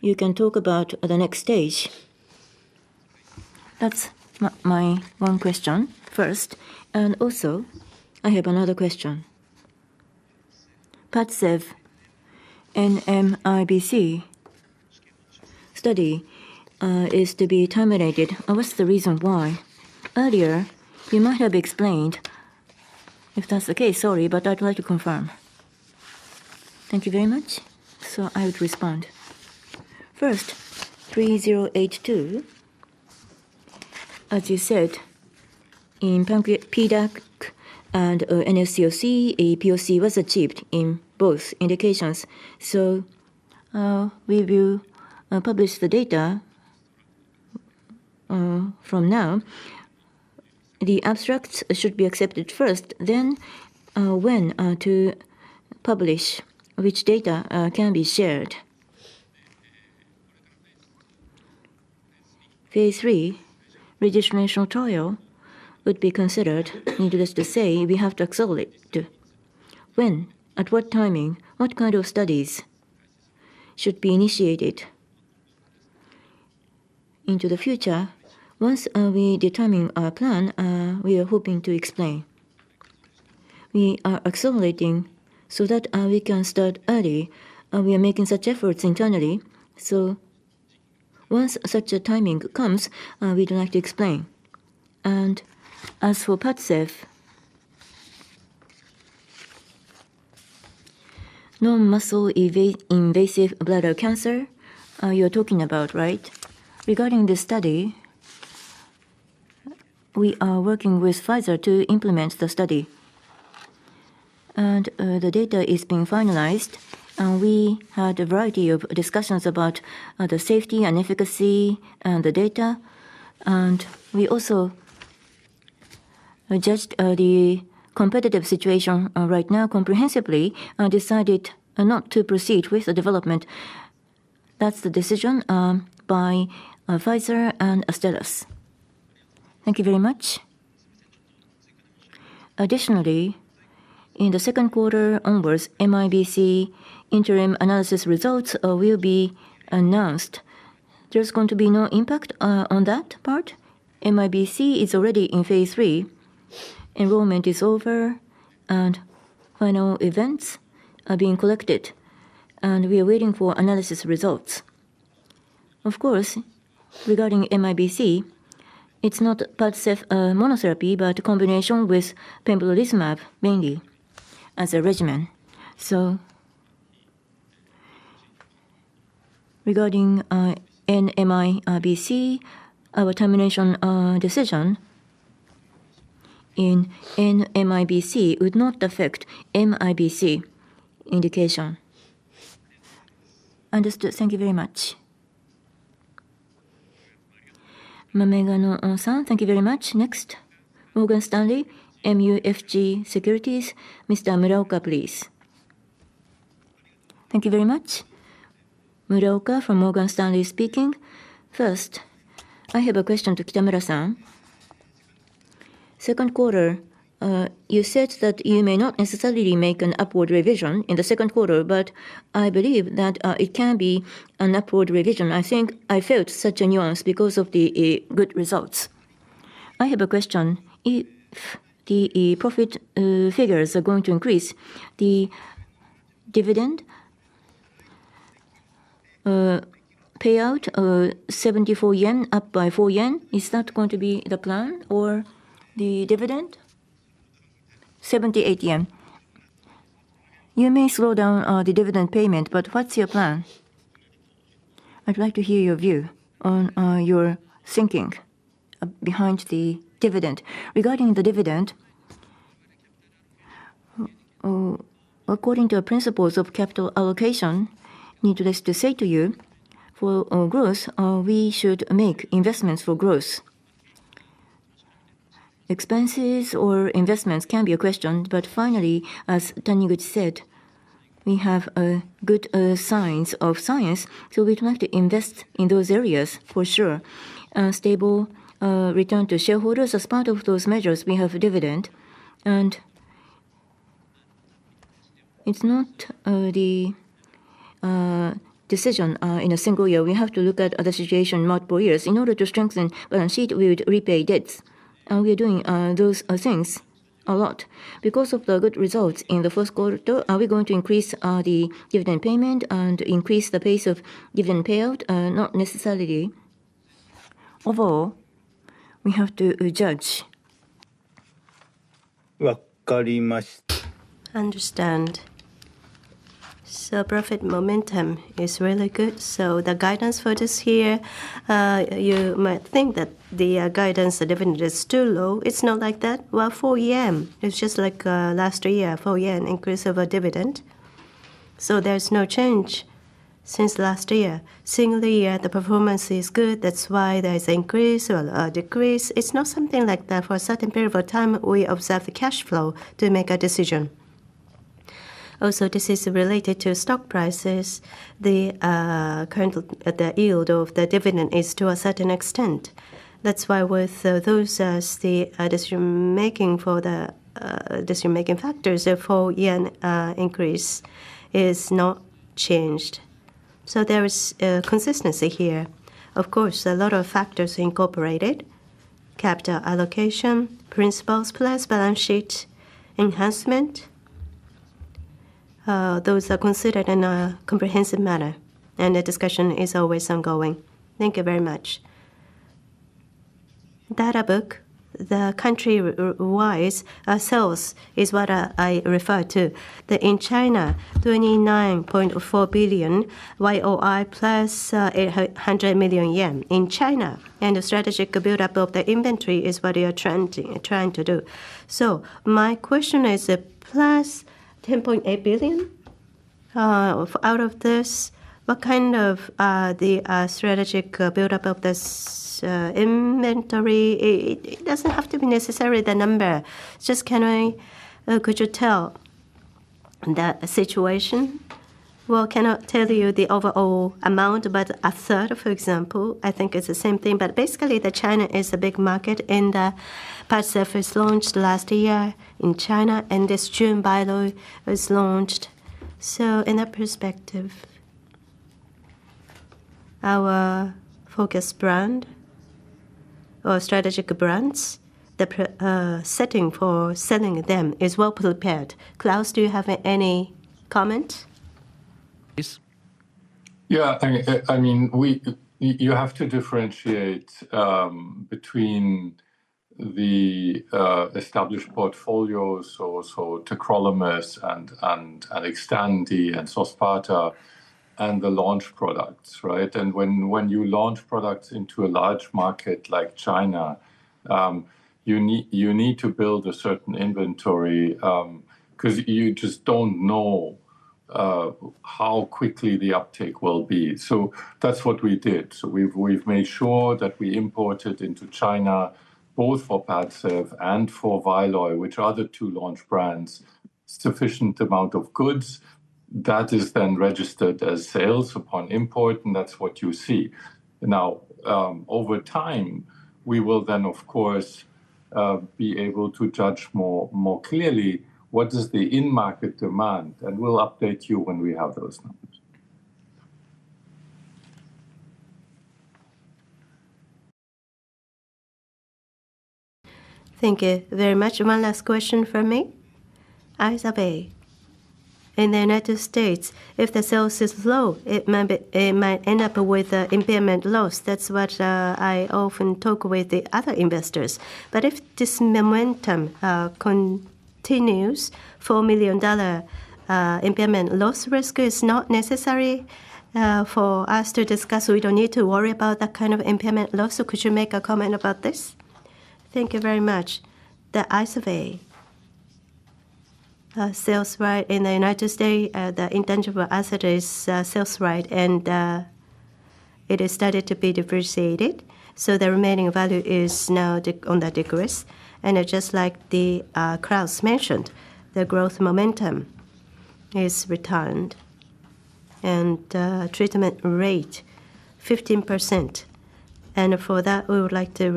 you can talk about the next stage? That's my one question first, and also I have another question. PADCEV NMIBC study is to be terminated. What's the reason why? Earlier you might have explained. If that's the case, sorry, but I'd like to confirm. Thank you very much. So I would respond first, 3082. As you said, in PDAC and NSCLC, a PoC was achieved in both indications. We will publish the data from now. The abstracts should be accepted first. Then when to publish which data can be shared? Phase III registrational trial would be considered. Needless to say, we have to accelerate when, at what timing, what kind of studies should be initiated into the future. Once we determine our plan, we are hoping to explain we are accelerating so that we can start early. We are making such efforts internally. Once such a timing comes, we'd like to explain. As for PADCEV, non-muscle invasive bladder cancer you're talking about, right? Regarding this study, we are working with Pfizer to implement the study and the data is being finalized. We had a variety of discussions about the safety and efficacy and the data. We also judged the competitive situation right now comprehensively and decided not to proceed with the development. That's the decision by Pfizer and Astellas. Thank you very much. Additionally, in the second quarter onwards, MIBC interim analysis results will be announced. There's going to be no impact on that part. MIBC is already in Phase III, enrollment is over and final events are being collected and we are waiting for analysis results. Of course, regarding MIBC, it's not PADCEV monotherapy, but combination with pembrolizumab mainly as a regimen. Regarding NMIBC, our termination decision in NMIBC would not affect MIBC indication. Understood. Thank you very much. Thank you very much. Next, Morgan Stanley MUFG Securities. Mr. Muraoka, please. Thank you very much. Muraoka from Morgan Stanley speaking. First, I have a question to Kitamura-san. Second quarter, you said that you may not necessarily make an upward revision in the second quarter. I believe that it can be an upward revision. I think I felt such a nuance because of the good results. I have a question. If the profit figures are going to increase the dividend payout 74 yen up by 4 yen, is that going to be the plan or the dividend? 78 yen. You may slow down the dividend payment, but what's your plan? I'd like to hear your view on your thinking behind the dividend. Regarding the dividend, according to the principles of capital allocation, needless to say to you, for growth, we should make investments. For growth, expenses or investments can be a question. Finally, as Taniguchi said, we have good signs of science. We'd like to invest in those areas for sure. Stable return to shareholders. As part of those measures we have a dividend and it's not the decision in a single year. We have to look at the situation multiple years in order to strengthen balance sheet we would repay debts and we're doing those things a lot. Because of the good results in the first quarter. Are we going to increase the dividend payment and increase the pace of dividend payout? Not necessarily. Overall we have to judge. Understand. So profit momentum is really good. The guidance for this year, you might think that the guidance dividend is too low. It is not like that. 4 yen. It is just like last year, four yen increase of a dividend. There is no change since last year. Single year, the performance is good. That is why there is increase or decrease. It is not something like that. For a certain period of time, we observe the cash flow to make a decision. Also, this is related to stock prices. The current yield of the dividend is to a certain extent. That is why with those, the decision making for the decision making factors, the JPY 4 increase is not changed. There is consistency here. Of course, a lot of factors incorporated, capital allocation principles plus balance sheet enhancement. Those are considered in a comprehensive manner and the discussion is always ongoing. Thank you very much. Data book, the country-wise sales is what I refer to. In China, 29.4 billion year-on-year, +800 million yen in China, and the strategic buildup of the inventory is what you are trying to do. My question is, +10.8 billion out of this. What kind of the strategic buildup of this inventory? It does not have to be necessarily the number. Just, can I, could you tell the situation? Cannot tell you the overall amount, but a third, for example, I think it is the same thing. Basically, China is a big market. In the past, Surface launched last year in China, and this June, VYLOY is launched. In that perspective, our focus brand or strategic brands, the setting for selling them is well prepared. Claus, do you have any comments? Yeah, I mean you have to differentiate between the established portfolios. So tacrolimus and XTANDI and XOSPATA and the launch products. Right. When you launch products into a large market like China, you need to build a certain inventory because you just do not know how quickly the uptake will be. That is what we did. We made sure that we imported into China both for PADCEV and for VYLOY, which are the two launch brands, a sufficient amount of goods that is then registered as sales upon import, and that is what you see. Now, over time, we will then of course be able to judge more clearly what is the in-market demand, and we will update you when we have those numbers. Thank you very much. One last question for me, IZERVAY. In the United States, if the sales is low, it might end up with impairment loss. That's what I often talk with the other investors. If this momentum continues, $4 million impairment loss risk is not necessary for us to discuss. We don't need to worry about that kind of impairment loss. Could you make a comment about this? Thank you very much. The IZERVAY sales right in the United States, the intangible asset is sales right, and it is started to be depreciated. The remaining value is now on the decrease. Just like Claus mentioned, the growth momentum is returned and treatment rate 15%, and for that we would like to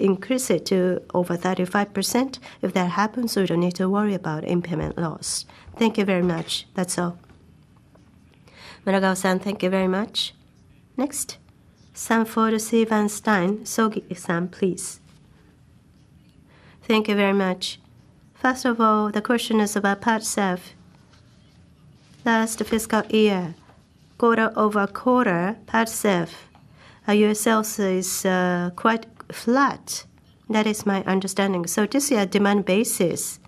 increase it to over 35%. If that happens, we don't need to worry about impairment loss. Thank you very much. That's all, Thank you very much. Next, Sanford C. Bernstein, Sogi-san please. Thank you very much. First of all, the question is about PADCEV. Last fiscal year, quarter-over-quarter, PADCEV your sales is quite flat, that is my understanding. This is a demand basis,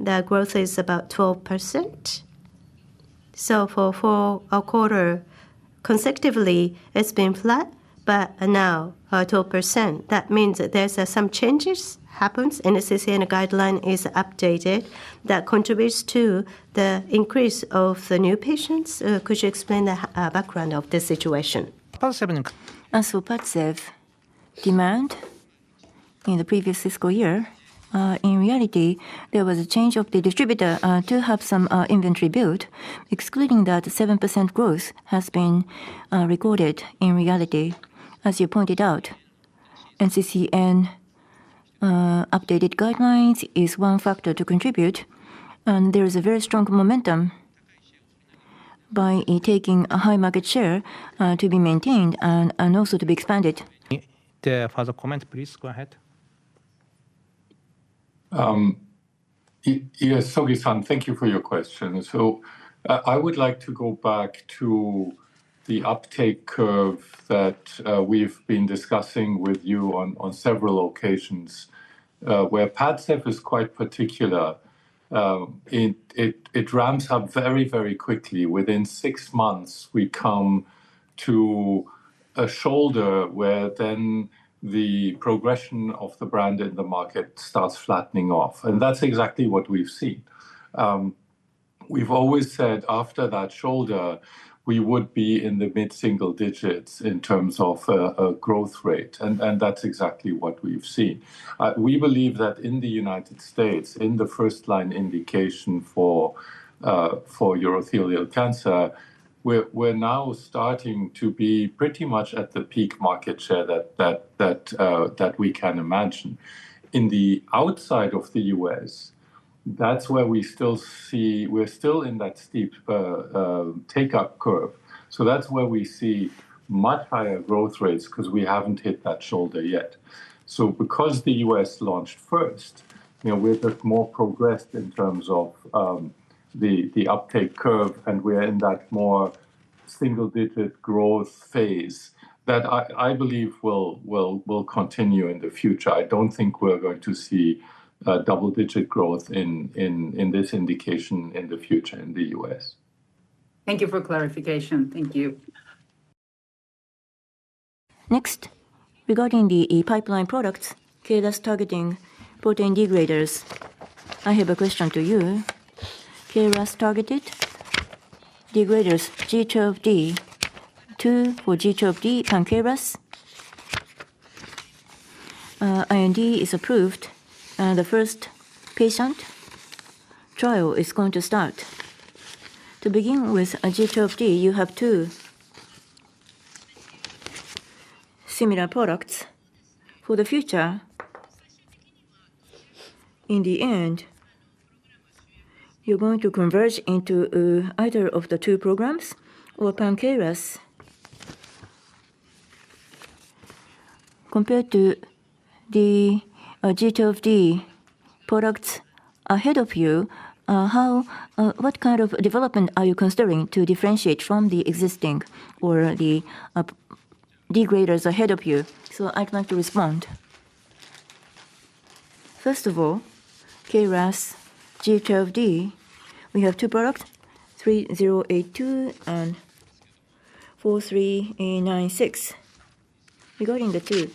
the growth is about 12%. For a quarter consecutively, it's been flat, but now 12%, that means that there's some changes happens and the NCCN guideline is updated. That contributes to the increase of the new patients. Could you explain the background of this situation? As for PADCEV, Demand in the previous fiscal year. In reality, there was a change of the distributor to have some inventory built. Excluding that, 7% growth has been recorded. In reality, as you pointed out, NCCN updated guidelines is one factor to contribute and there is a very strong momentum by taking a high market share to be maintained and also to be expanded. Further comments, please go ahead. Yes, Sogi-san, thank you for your question. I would like to go back to the uptake curve that we've been discussing with you on several occasions where PADCEV is quite particular. It ramps up very, very quickly. Within six months we come to a shoulder where the progression of the brand in the market starts flattening off. That's exactly what we've seen. We've always said after that shoulder we would be in the mid single digits in terms of growth rate and that's exactly what we've seen. We believe that in the United States in the first line indication for urothelial cancer, we're now starting to be pretty much at the peak market share that we can imagine. In the outside of the U.S. that's where we still see, we're still in that steep take up curve. That's where we see much higher growth rates because we haven't hit that shoulder yet. Because the U.S. launched first, you know, we're just more progressed in terms of the uptake curve and we are in that more single digit growth phase that I believe will continue in the future. I don't think we're going to see double digit growth in this indication in the future in the U.S. Thank you for clarification. Thank you. Next, regarding the E pipeline products, KRAS targeting protein degraders, I have a question to you. KRAS targeted degraders G12D two G12D for IND is approved and the first patient trial is going to start. To begin with, G12D, you have two similar products for the future. In the end, you're going to converge into either of the two programs or pan-KRAS compared to the G12D of the products ahead of you. What kind of development are you considering to differentiate from the existing or the degraders ahead of you? I would like to respond. First of all, KRAS G12D, we have two products, 3082 and 4396, regarding the two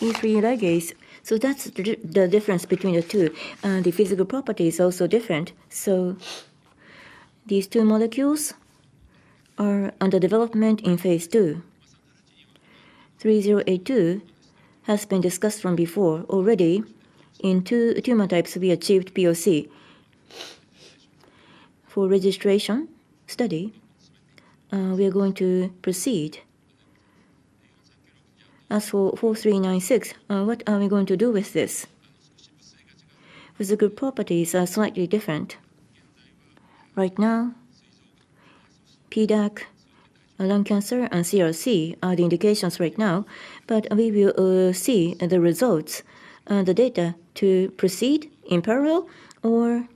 E3 ligase. That's the difference between the two. The physical property is also different. These two molecules are under development in Phase II. 3082 has been discussed from before already. In two tumor types, we achieved PoC for registration study. We are going to proceed. As for 4396, what are we going to do with this? Physical properties are slightly different right now. PDAC, lung cancer, and CRC are the indications right now. We will see the results. The data to proceed in parallel or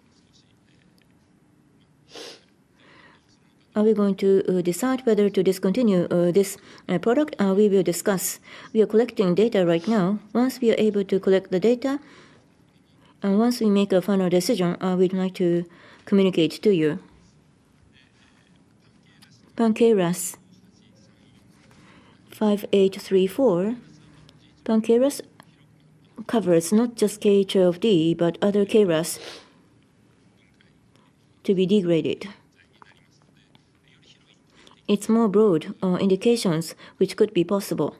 are we going to decide whether to discontinue this product, we will discuss. We are collecting data right now. Once we are able to collect the data and once we make a final decision, I would like to communicate to you. Pan-KRAS 5834, pan-KRAS covers not just K12D but other KRAS to be degraded. It's more broad indications which could be possible.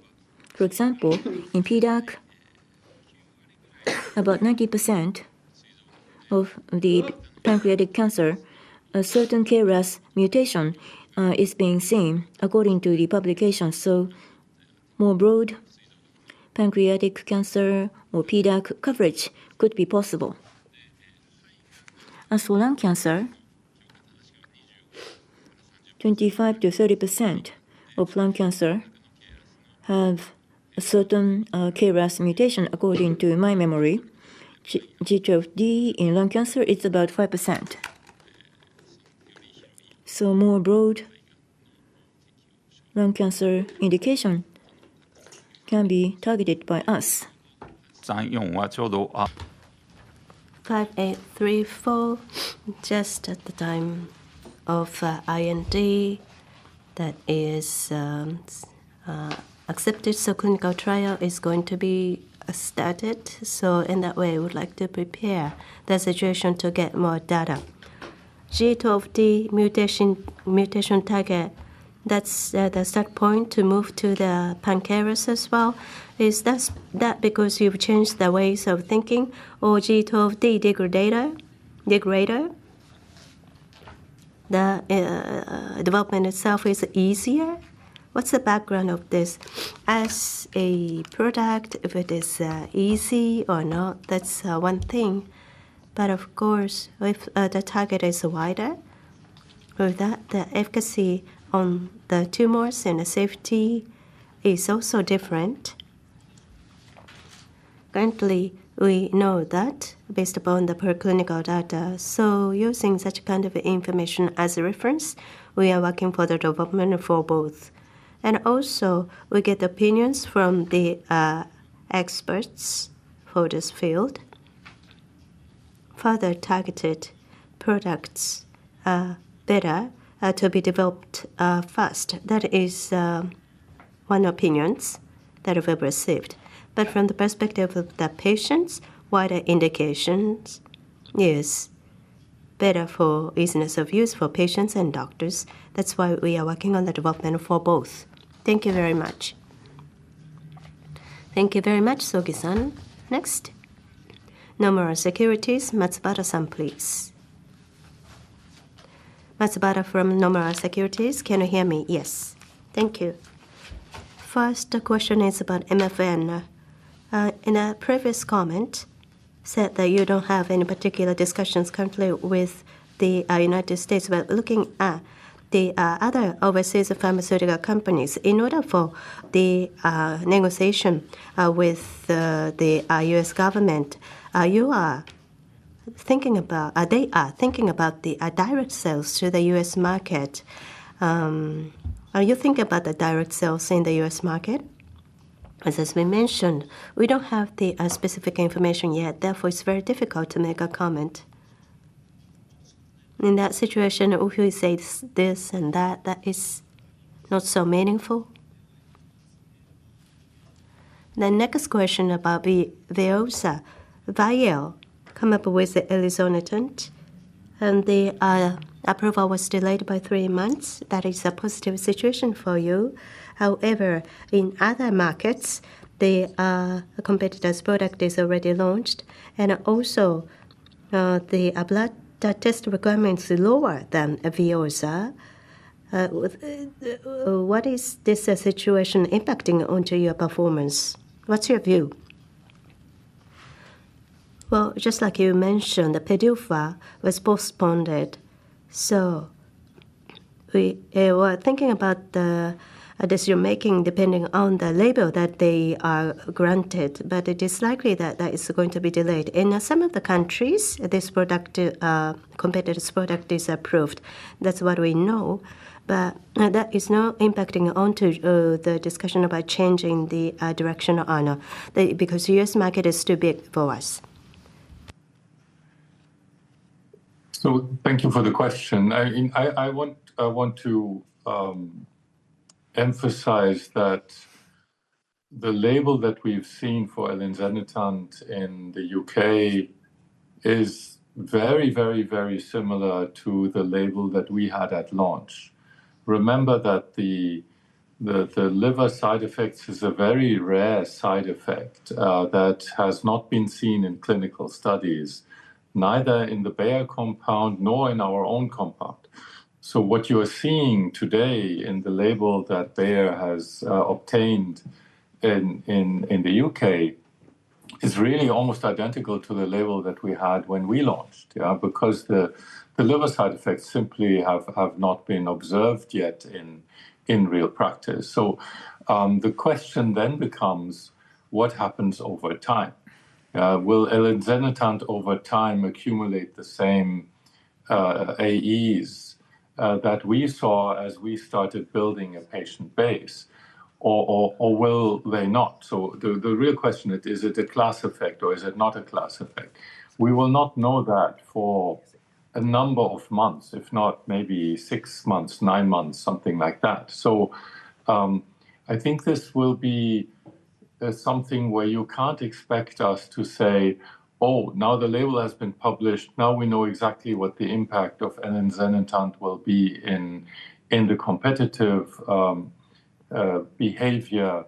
For example, in PDAC, about 90% of the pancreatic cancer, a certain KRAS mutation is being seen according to the publication. More broad pancreatic cancer or PDAC coverage could be possible. As for lung cancer, 25%-30% of lung cancer have a certain KRAS mutation. According to my memory, G12D in lung cancer is about 5%. More broad lung cancer indication can be targeted by us. 5834 just at the time of IND. That is accepted. So clinical trial is going to be started. In that way, we'd like to prepare the situation to get more data. G12D mutation target. That's the start point to move to the pan-KRAS as well. Is that because you've changed the ways of thinking? Or G12D degrader? The development itself is easier. What's the background of this As a product. If it is easy or not, that's one thing. Of course, if the target is wider, the efficacy on the tumors and the safety is also different. Currently, we know that based upon the preclinical data. Using such kind of information as reference, we are working for the development for both. Also, we get opinions from the experts for this field. Further targeted products better to be developed fast. That is one opinion that was received. From the perspective of the patients, wider indications is better for easiness of use for patients and doctors. That's why we are working on the development for both. Thank you very much. Thank you very much. Sogi-san, next Nomura Securities. Matsubara-san, please. Matsubara from Nomura Securities. Can you hear me? Yes. thank you. First question is about MFN. In a previous comment, said that you don't have any particular discussions currently with the United States, but looking at the other overseas pharmaceutical companies in order for the negotiation with the U.S. government. You are thinking about. They are thinking about the direct sales to the U.S. market. You think about the direct sales in the U.S. market? As we mentioned, we don't have the specific information yet. Therefore, it's very difficult to make a comment in that situation. This and that. That is not so meaningful. The next question about VEOZAH. Bayer came up with elinzanetant and the approval was delayed by three months. That is a positive situation for you. However, in other markets, the competitor's product is already launched and also the blood test requirements lower than VEOZAH. What is this situation impacting onto your performance? What's your view? Just like you mentioned, the PDUFA was postponed. We were thinking about the decision making depending on the label that they are granted. It is likely that it's going to be delayed in some of the countries this product, competitor's product is approved. That's what we know. That is not impacting onto the discussion about changing the directional honor because the U.S. market is too big for us. Thank you for the question. I want to emphasize that the label that we've seen for elinzanetant in the U.K. is very, very, very similar to the label that we had at launch. Remember that the liver side effects is a very rare side effect that has not been seen in clinical studies, neither in the Bayer compound nor in our own compound. What you are seeing today in the label that Bayer has obtained in the U.K. is really almost identical to the label that we had when we launched because the liver side effects simply have not been observed yet in real practice. The question then becomes, what happens over time? Will elinzanetant over time accumulate the same AEs that we saw as we started building a patient base, or will they not? The real question is, is it a class effect or is it not a class effect? We will not know that for a number of months, if not maybe six months, nine months, something like that. I think this will be something where you can't expect us to say, oh, now the label has been published, now we know exactly what the impact of elinzanetant will be in the competitive behavior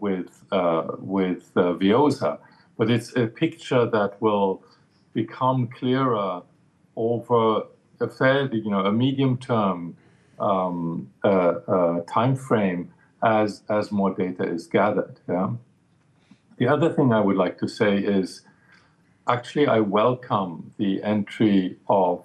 with VEOZAH. It's a picture that will become clearer over a fairly medium-term time frame as more data is gathered. The other thing I would like to say is actually I welcome the entry of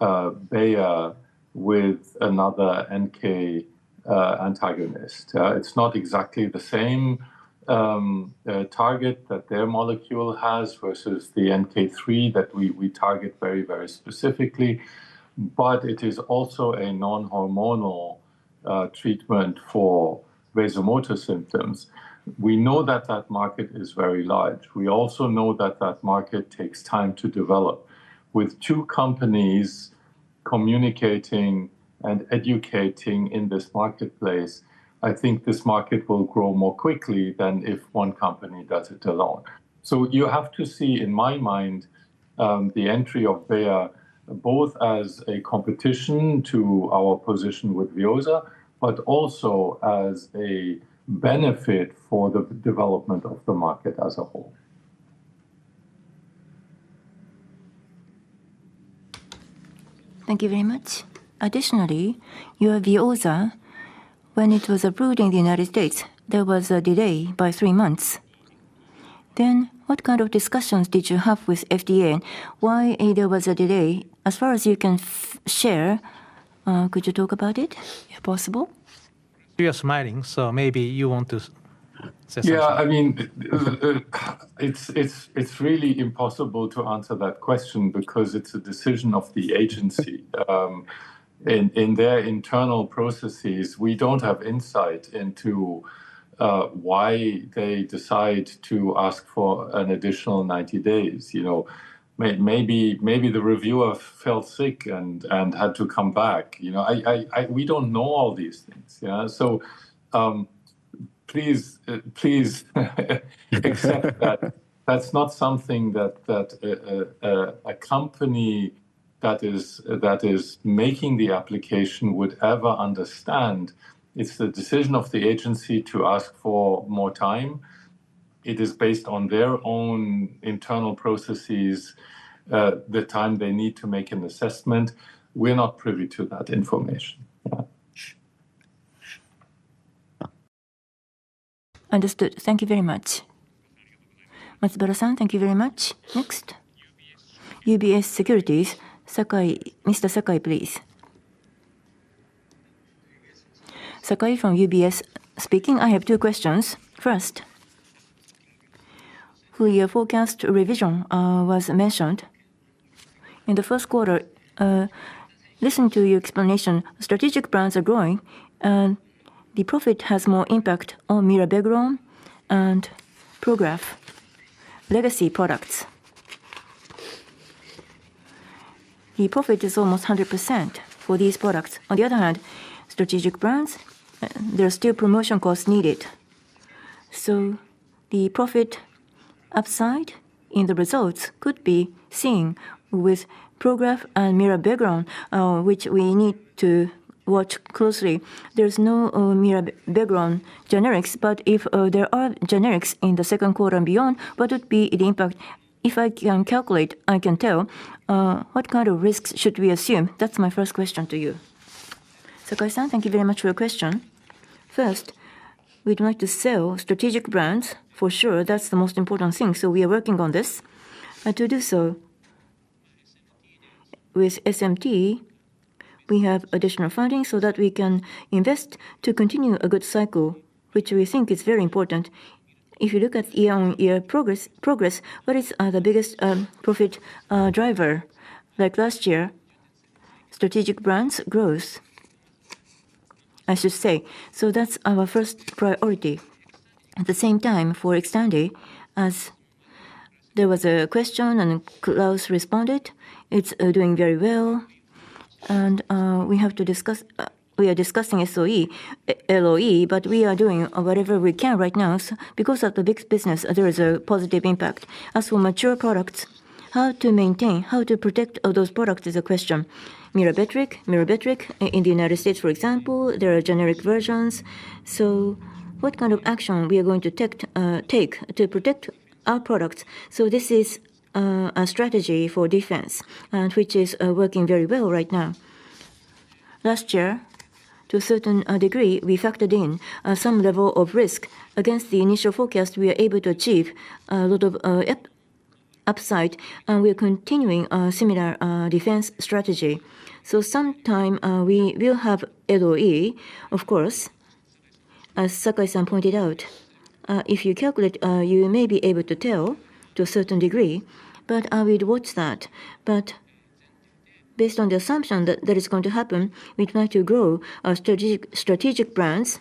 Bayer with another NK antagonist. It's not exactly the same target that their molecule has versus the NK3 that we target very, very specifically, but it is also a non-hormonal treatment for vasomotor symptoms. We know that that market is very large. We also know that that market takes time to develop. With two companies communicating and educating in this marketplace, I think this market will grow more quickly than if one company does it alone. You have to see in my mind the entry of Bayer, both as a competition to our position with VEOZAH, but also as a benefit for the development of the market as a whole. Thank you very much. Additionally, your VEOZAH, when it was approved in the United States, there was a delay by three months. What kind of discussions did you have with FDA, why there was a delay, as far as you can share? Could you talk about it, if possible? You are smiling, so maybe you want to. Yeah, I mean it's really impossible to answer that question because it's a decision of the agency in their internal processes. We don't have insight into why they decide to ask for an additional 90 days. Maybe the reviewer felt sick and had to come back. We don't know all these things. Yeah. Please accept that that's not something that a company that is making the application would ever understand. It's the decision of the agency to ask for more time. It is based on their own internal processes, the time they need to make an assessment. We're not privy to that information. Understood. Thank you very much. Matsubara-san, thank you very much. Next, UBS Securities. Mr. Sakai, please. Sakai from UBS speaking. I have two questions. First, Huya forecast revision was mentioned in the first quarter. Listen to your explanation. Strategic brands are growing and the profit has more impact on mirabegron and PROGRAF legacy products. The profit is almost 100% for these products. On the other hand, strategic brands, there are still promotion costs needed soon. The profit upside in the results could be seen with progress and mirabegron background, which we need to watch closely. There is no Mirabegron background generics. If there are generics in the second quarter and beyond, what would be the impact? If I can calculate, I can tell what kind of risks should we assume? That is my first question to you. So, Sakai-san, thank you very much for your question. First, we would like to sell strategic brands for sure. That is the most important thing. We are working on this to do so. With SMT, we have additional funding so that we can invest to continue a good cycle, which we think is very important. If you look at year-on-year, progress, progress, what is the biggest profit driver like last year? Strategic Brands growth, I should say, so that is our first priority. At the same time for XTANDI, as there was a question and Claus responded, it is doing very well and we have to discuss. We are discussing LOE, but we are doing whatever we can right now because of the big business. There is a positive impact. As for mature products, how to maintain, how to protect those products is a question. Myrbetriq in the United States, for example, there are generic versions. What kind of action we are going to take to protect our products. This is a strategy for defense, which is working very well right now. Last year, to a certain degree, we factored in some level of risk against the initial forecast. We are able to achieve a lot of upside and we are continuing a similar defense strategy. Sometime we will have LOE. Of course, as Sakai-san pointed out, if you calculate, you may be able to tell to a certain degree, but I would watch that. Based on the assumption that that is going to happen, we would like to grow our strategic plans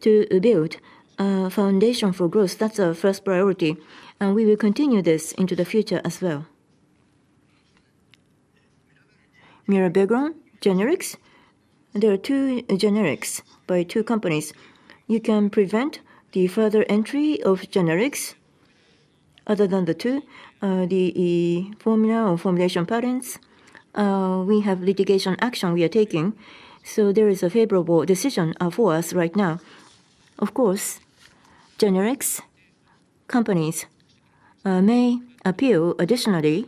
to build a foundation for growth. That is our first priority and we will continue this into the future as well. Mirabegron generics, there are two generics by two companies. You can prevent the further entry of generics Other than the two, the formula or formulation patterns. We have litigation action we are taking. There is a favorable decision for us right now. Of course, generics companies may appeal additionally,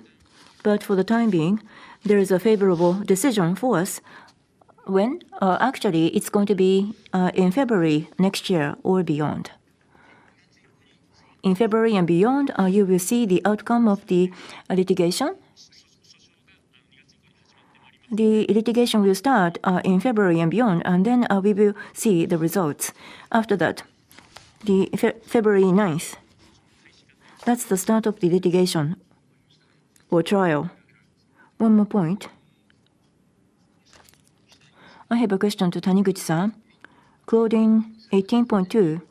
but for the time being there is a favorable decision for us when actually it's going to be in February next year or beyond. In February and beyond you will see the outcome of the litigation. The litigation will start in February and beyond and then we will see the results after that, the February 9th. That's the start of the litigation or trial. One more point. I have a question to Taniguchi. Claudin 18.2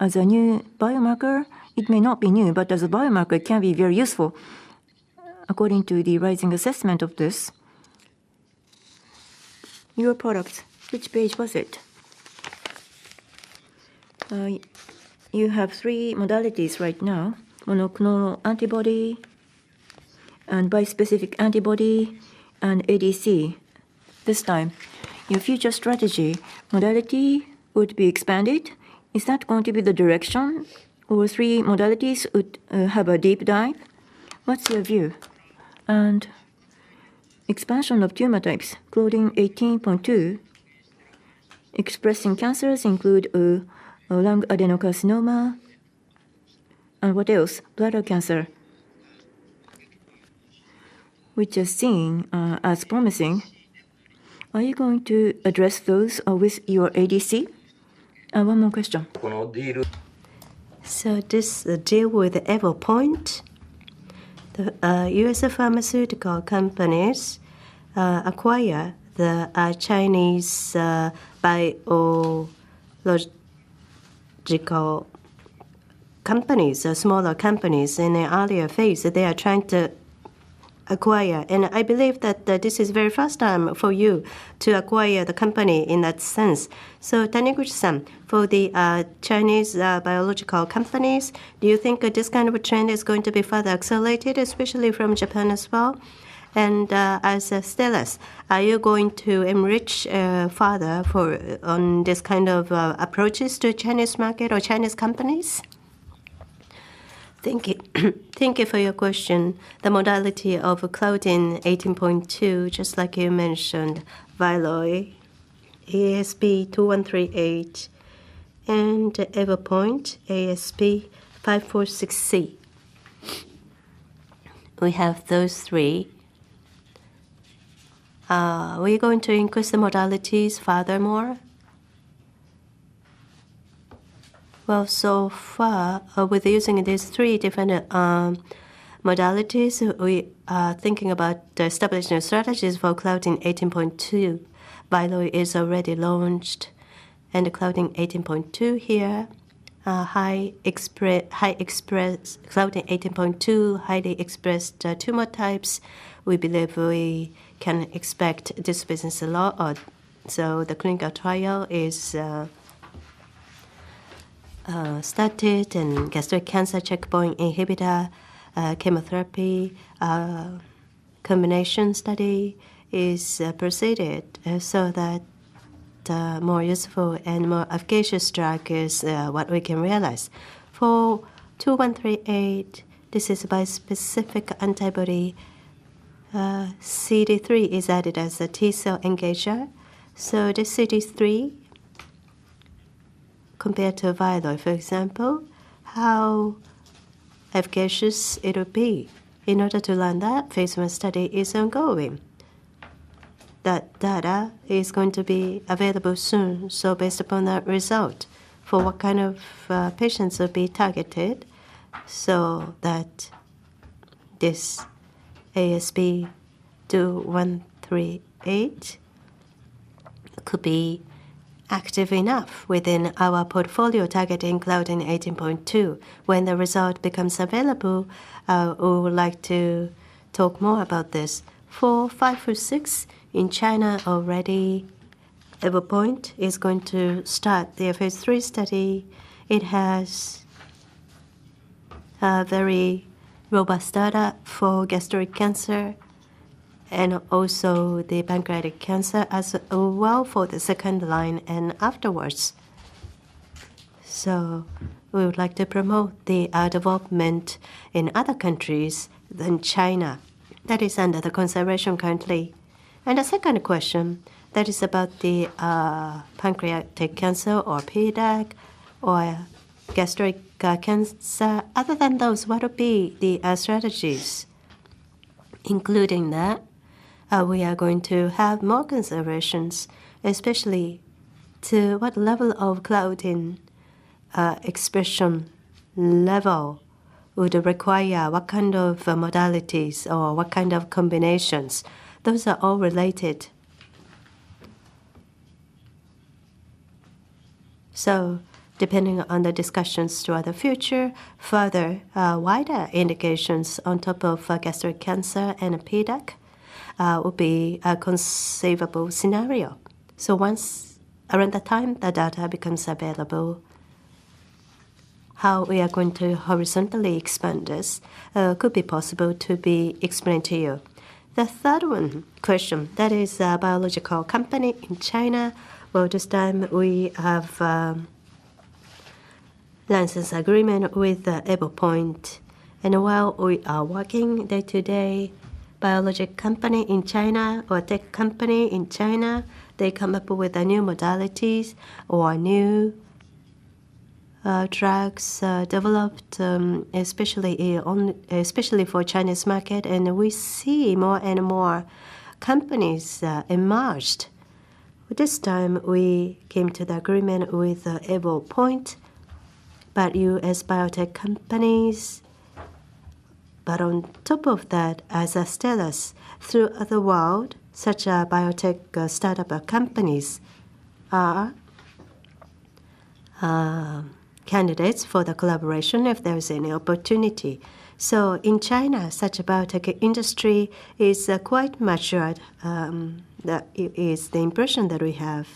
as a new biomarker, it may not be new, but as a biomarker it can be very useful. According to the rising assessment of these newer products. Which page was it? You have three modalities right now. Monoclonal antibody and bispecific antibody and ADC. This time your future strategy modality would be expanded. Is that going to be the direction all three modalities would have a deep dive? What's your view? And expansion of tumor types including 18.2 expressing cancers include lung adenocarcinoma and what else? Bladder cancer, which are seen as promising. Are you going to address those with your ADC? One more question. So this deal with Evopoint, the U.S. pharmaceutical companies acquire the Chinese biological companies, smaller companies in the earlier phase that they are trying to acquire. I believe that this is the very first time for you to acquire the company in that sense. Taniguchi-san, for the Chinese biological companies, do you think this kind of trend is going to be further accelerated, especially from Japan as well, and as Astellas, are you going to enrich further on this kind of approaches to Chinese market or Chinese companies? Thank you. Thank you for your question. The modality of Claudin 18.2, just like you mentioned, VYLOY, ASP2138, and Evopoint ASP546C, we have those three. We are going to increase the modalities furthermore. So far, with using these three different modalities, we are thinking about establishing strategies for Claudin 18.2. VYLOY is already launched, and Claudin 18.2 here, Claudin 18.2 highly expressed tumor types, we believe we can expect this business a lot, so the clinical trial is studied, and gastric cancer, checkpoint inhibitor, chemotherapy combination study is proceeded. That more useful and more efficacious drug is what we can realize. For 2138, this is a bispecific antibody. CD3 is added as a T-cell engager, so the CD3 compared to VYLOY, for example, how efficacious it will be, in order to learn that, Phase I study is ongoing. That data is going to be available soon, so based upon that result, for what kind of patients will be targeted so that this ASP2138 could be active enough within our portfolio targeting Claudin 18.2, when the result becomes available, we would like to talk more about this. For 546C, in China already, Evopoint is going to start their Phase III study. It has very robust data for gastric cancer and also the pancreatic cancer as well for the second line and afterwards. We would like to promote the development in other countries than China. That is under consideration currently. The second question, that is about the pancreatic cancer or PDAC or gastric cancer. Other than those, what would be the strategies, including that we are going to have more considerations, especially to what level of Claudin expression level would require what kind of modalities or what kind of combinations. Those are all related. Depending on the discussions throughout the future, further wider indications on top of gastric cancer and PDAC would be a conceivable scenario. Once around the time the data becomes available, how we are going to horizontally expand this could be possible to be explained to you. The third one, question that is biological company in China. This time we have license agreement with Evopoint and while we are working day to day, biologic company in China or tech company in China, they come up with new modalities or new drugs developed especially for Chinese market and we see more and more companies emerged. This time we came to the agreement with Evopoint value as biotech companies but on top of that as Astellas throughout the world, such biotech startup companies are candidates for the collaboration if there is any opportunity. In China, such a biotech industry is quite matured. That is the impression that we have.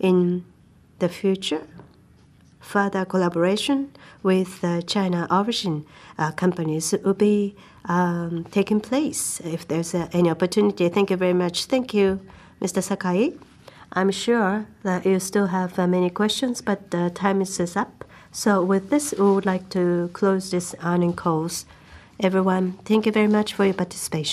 In the future, further collaboration with China origin companies will be taking place if there is any opportunity. Thank you very much. Thank you Mr. Sakai, I'm sure that you still have many questions but time is up. With this, we would like to close this earning call. Everyone, thank you very much for your participation.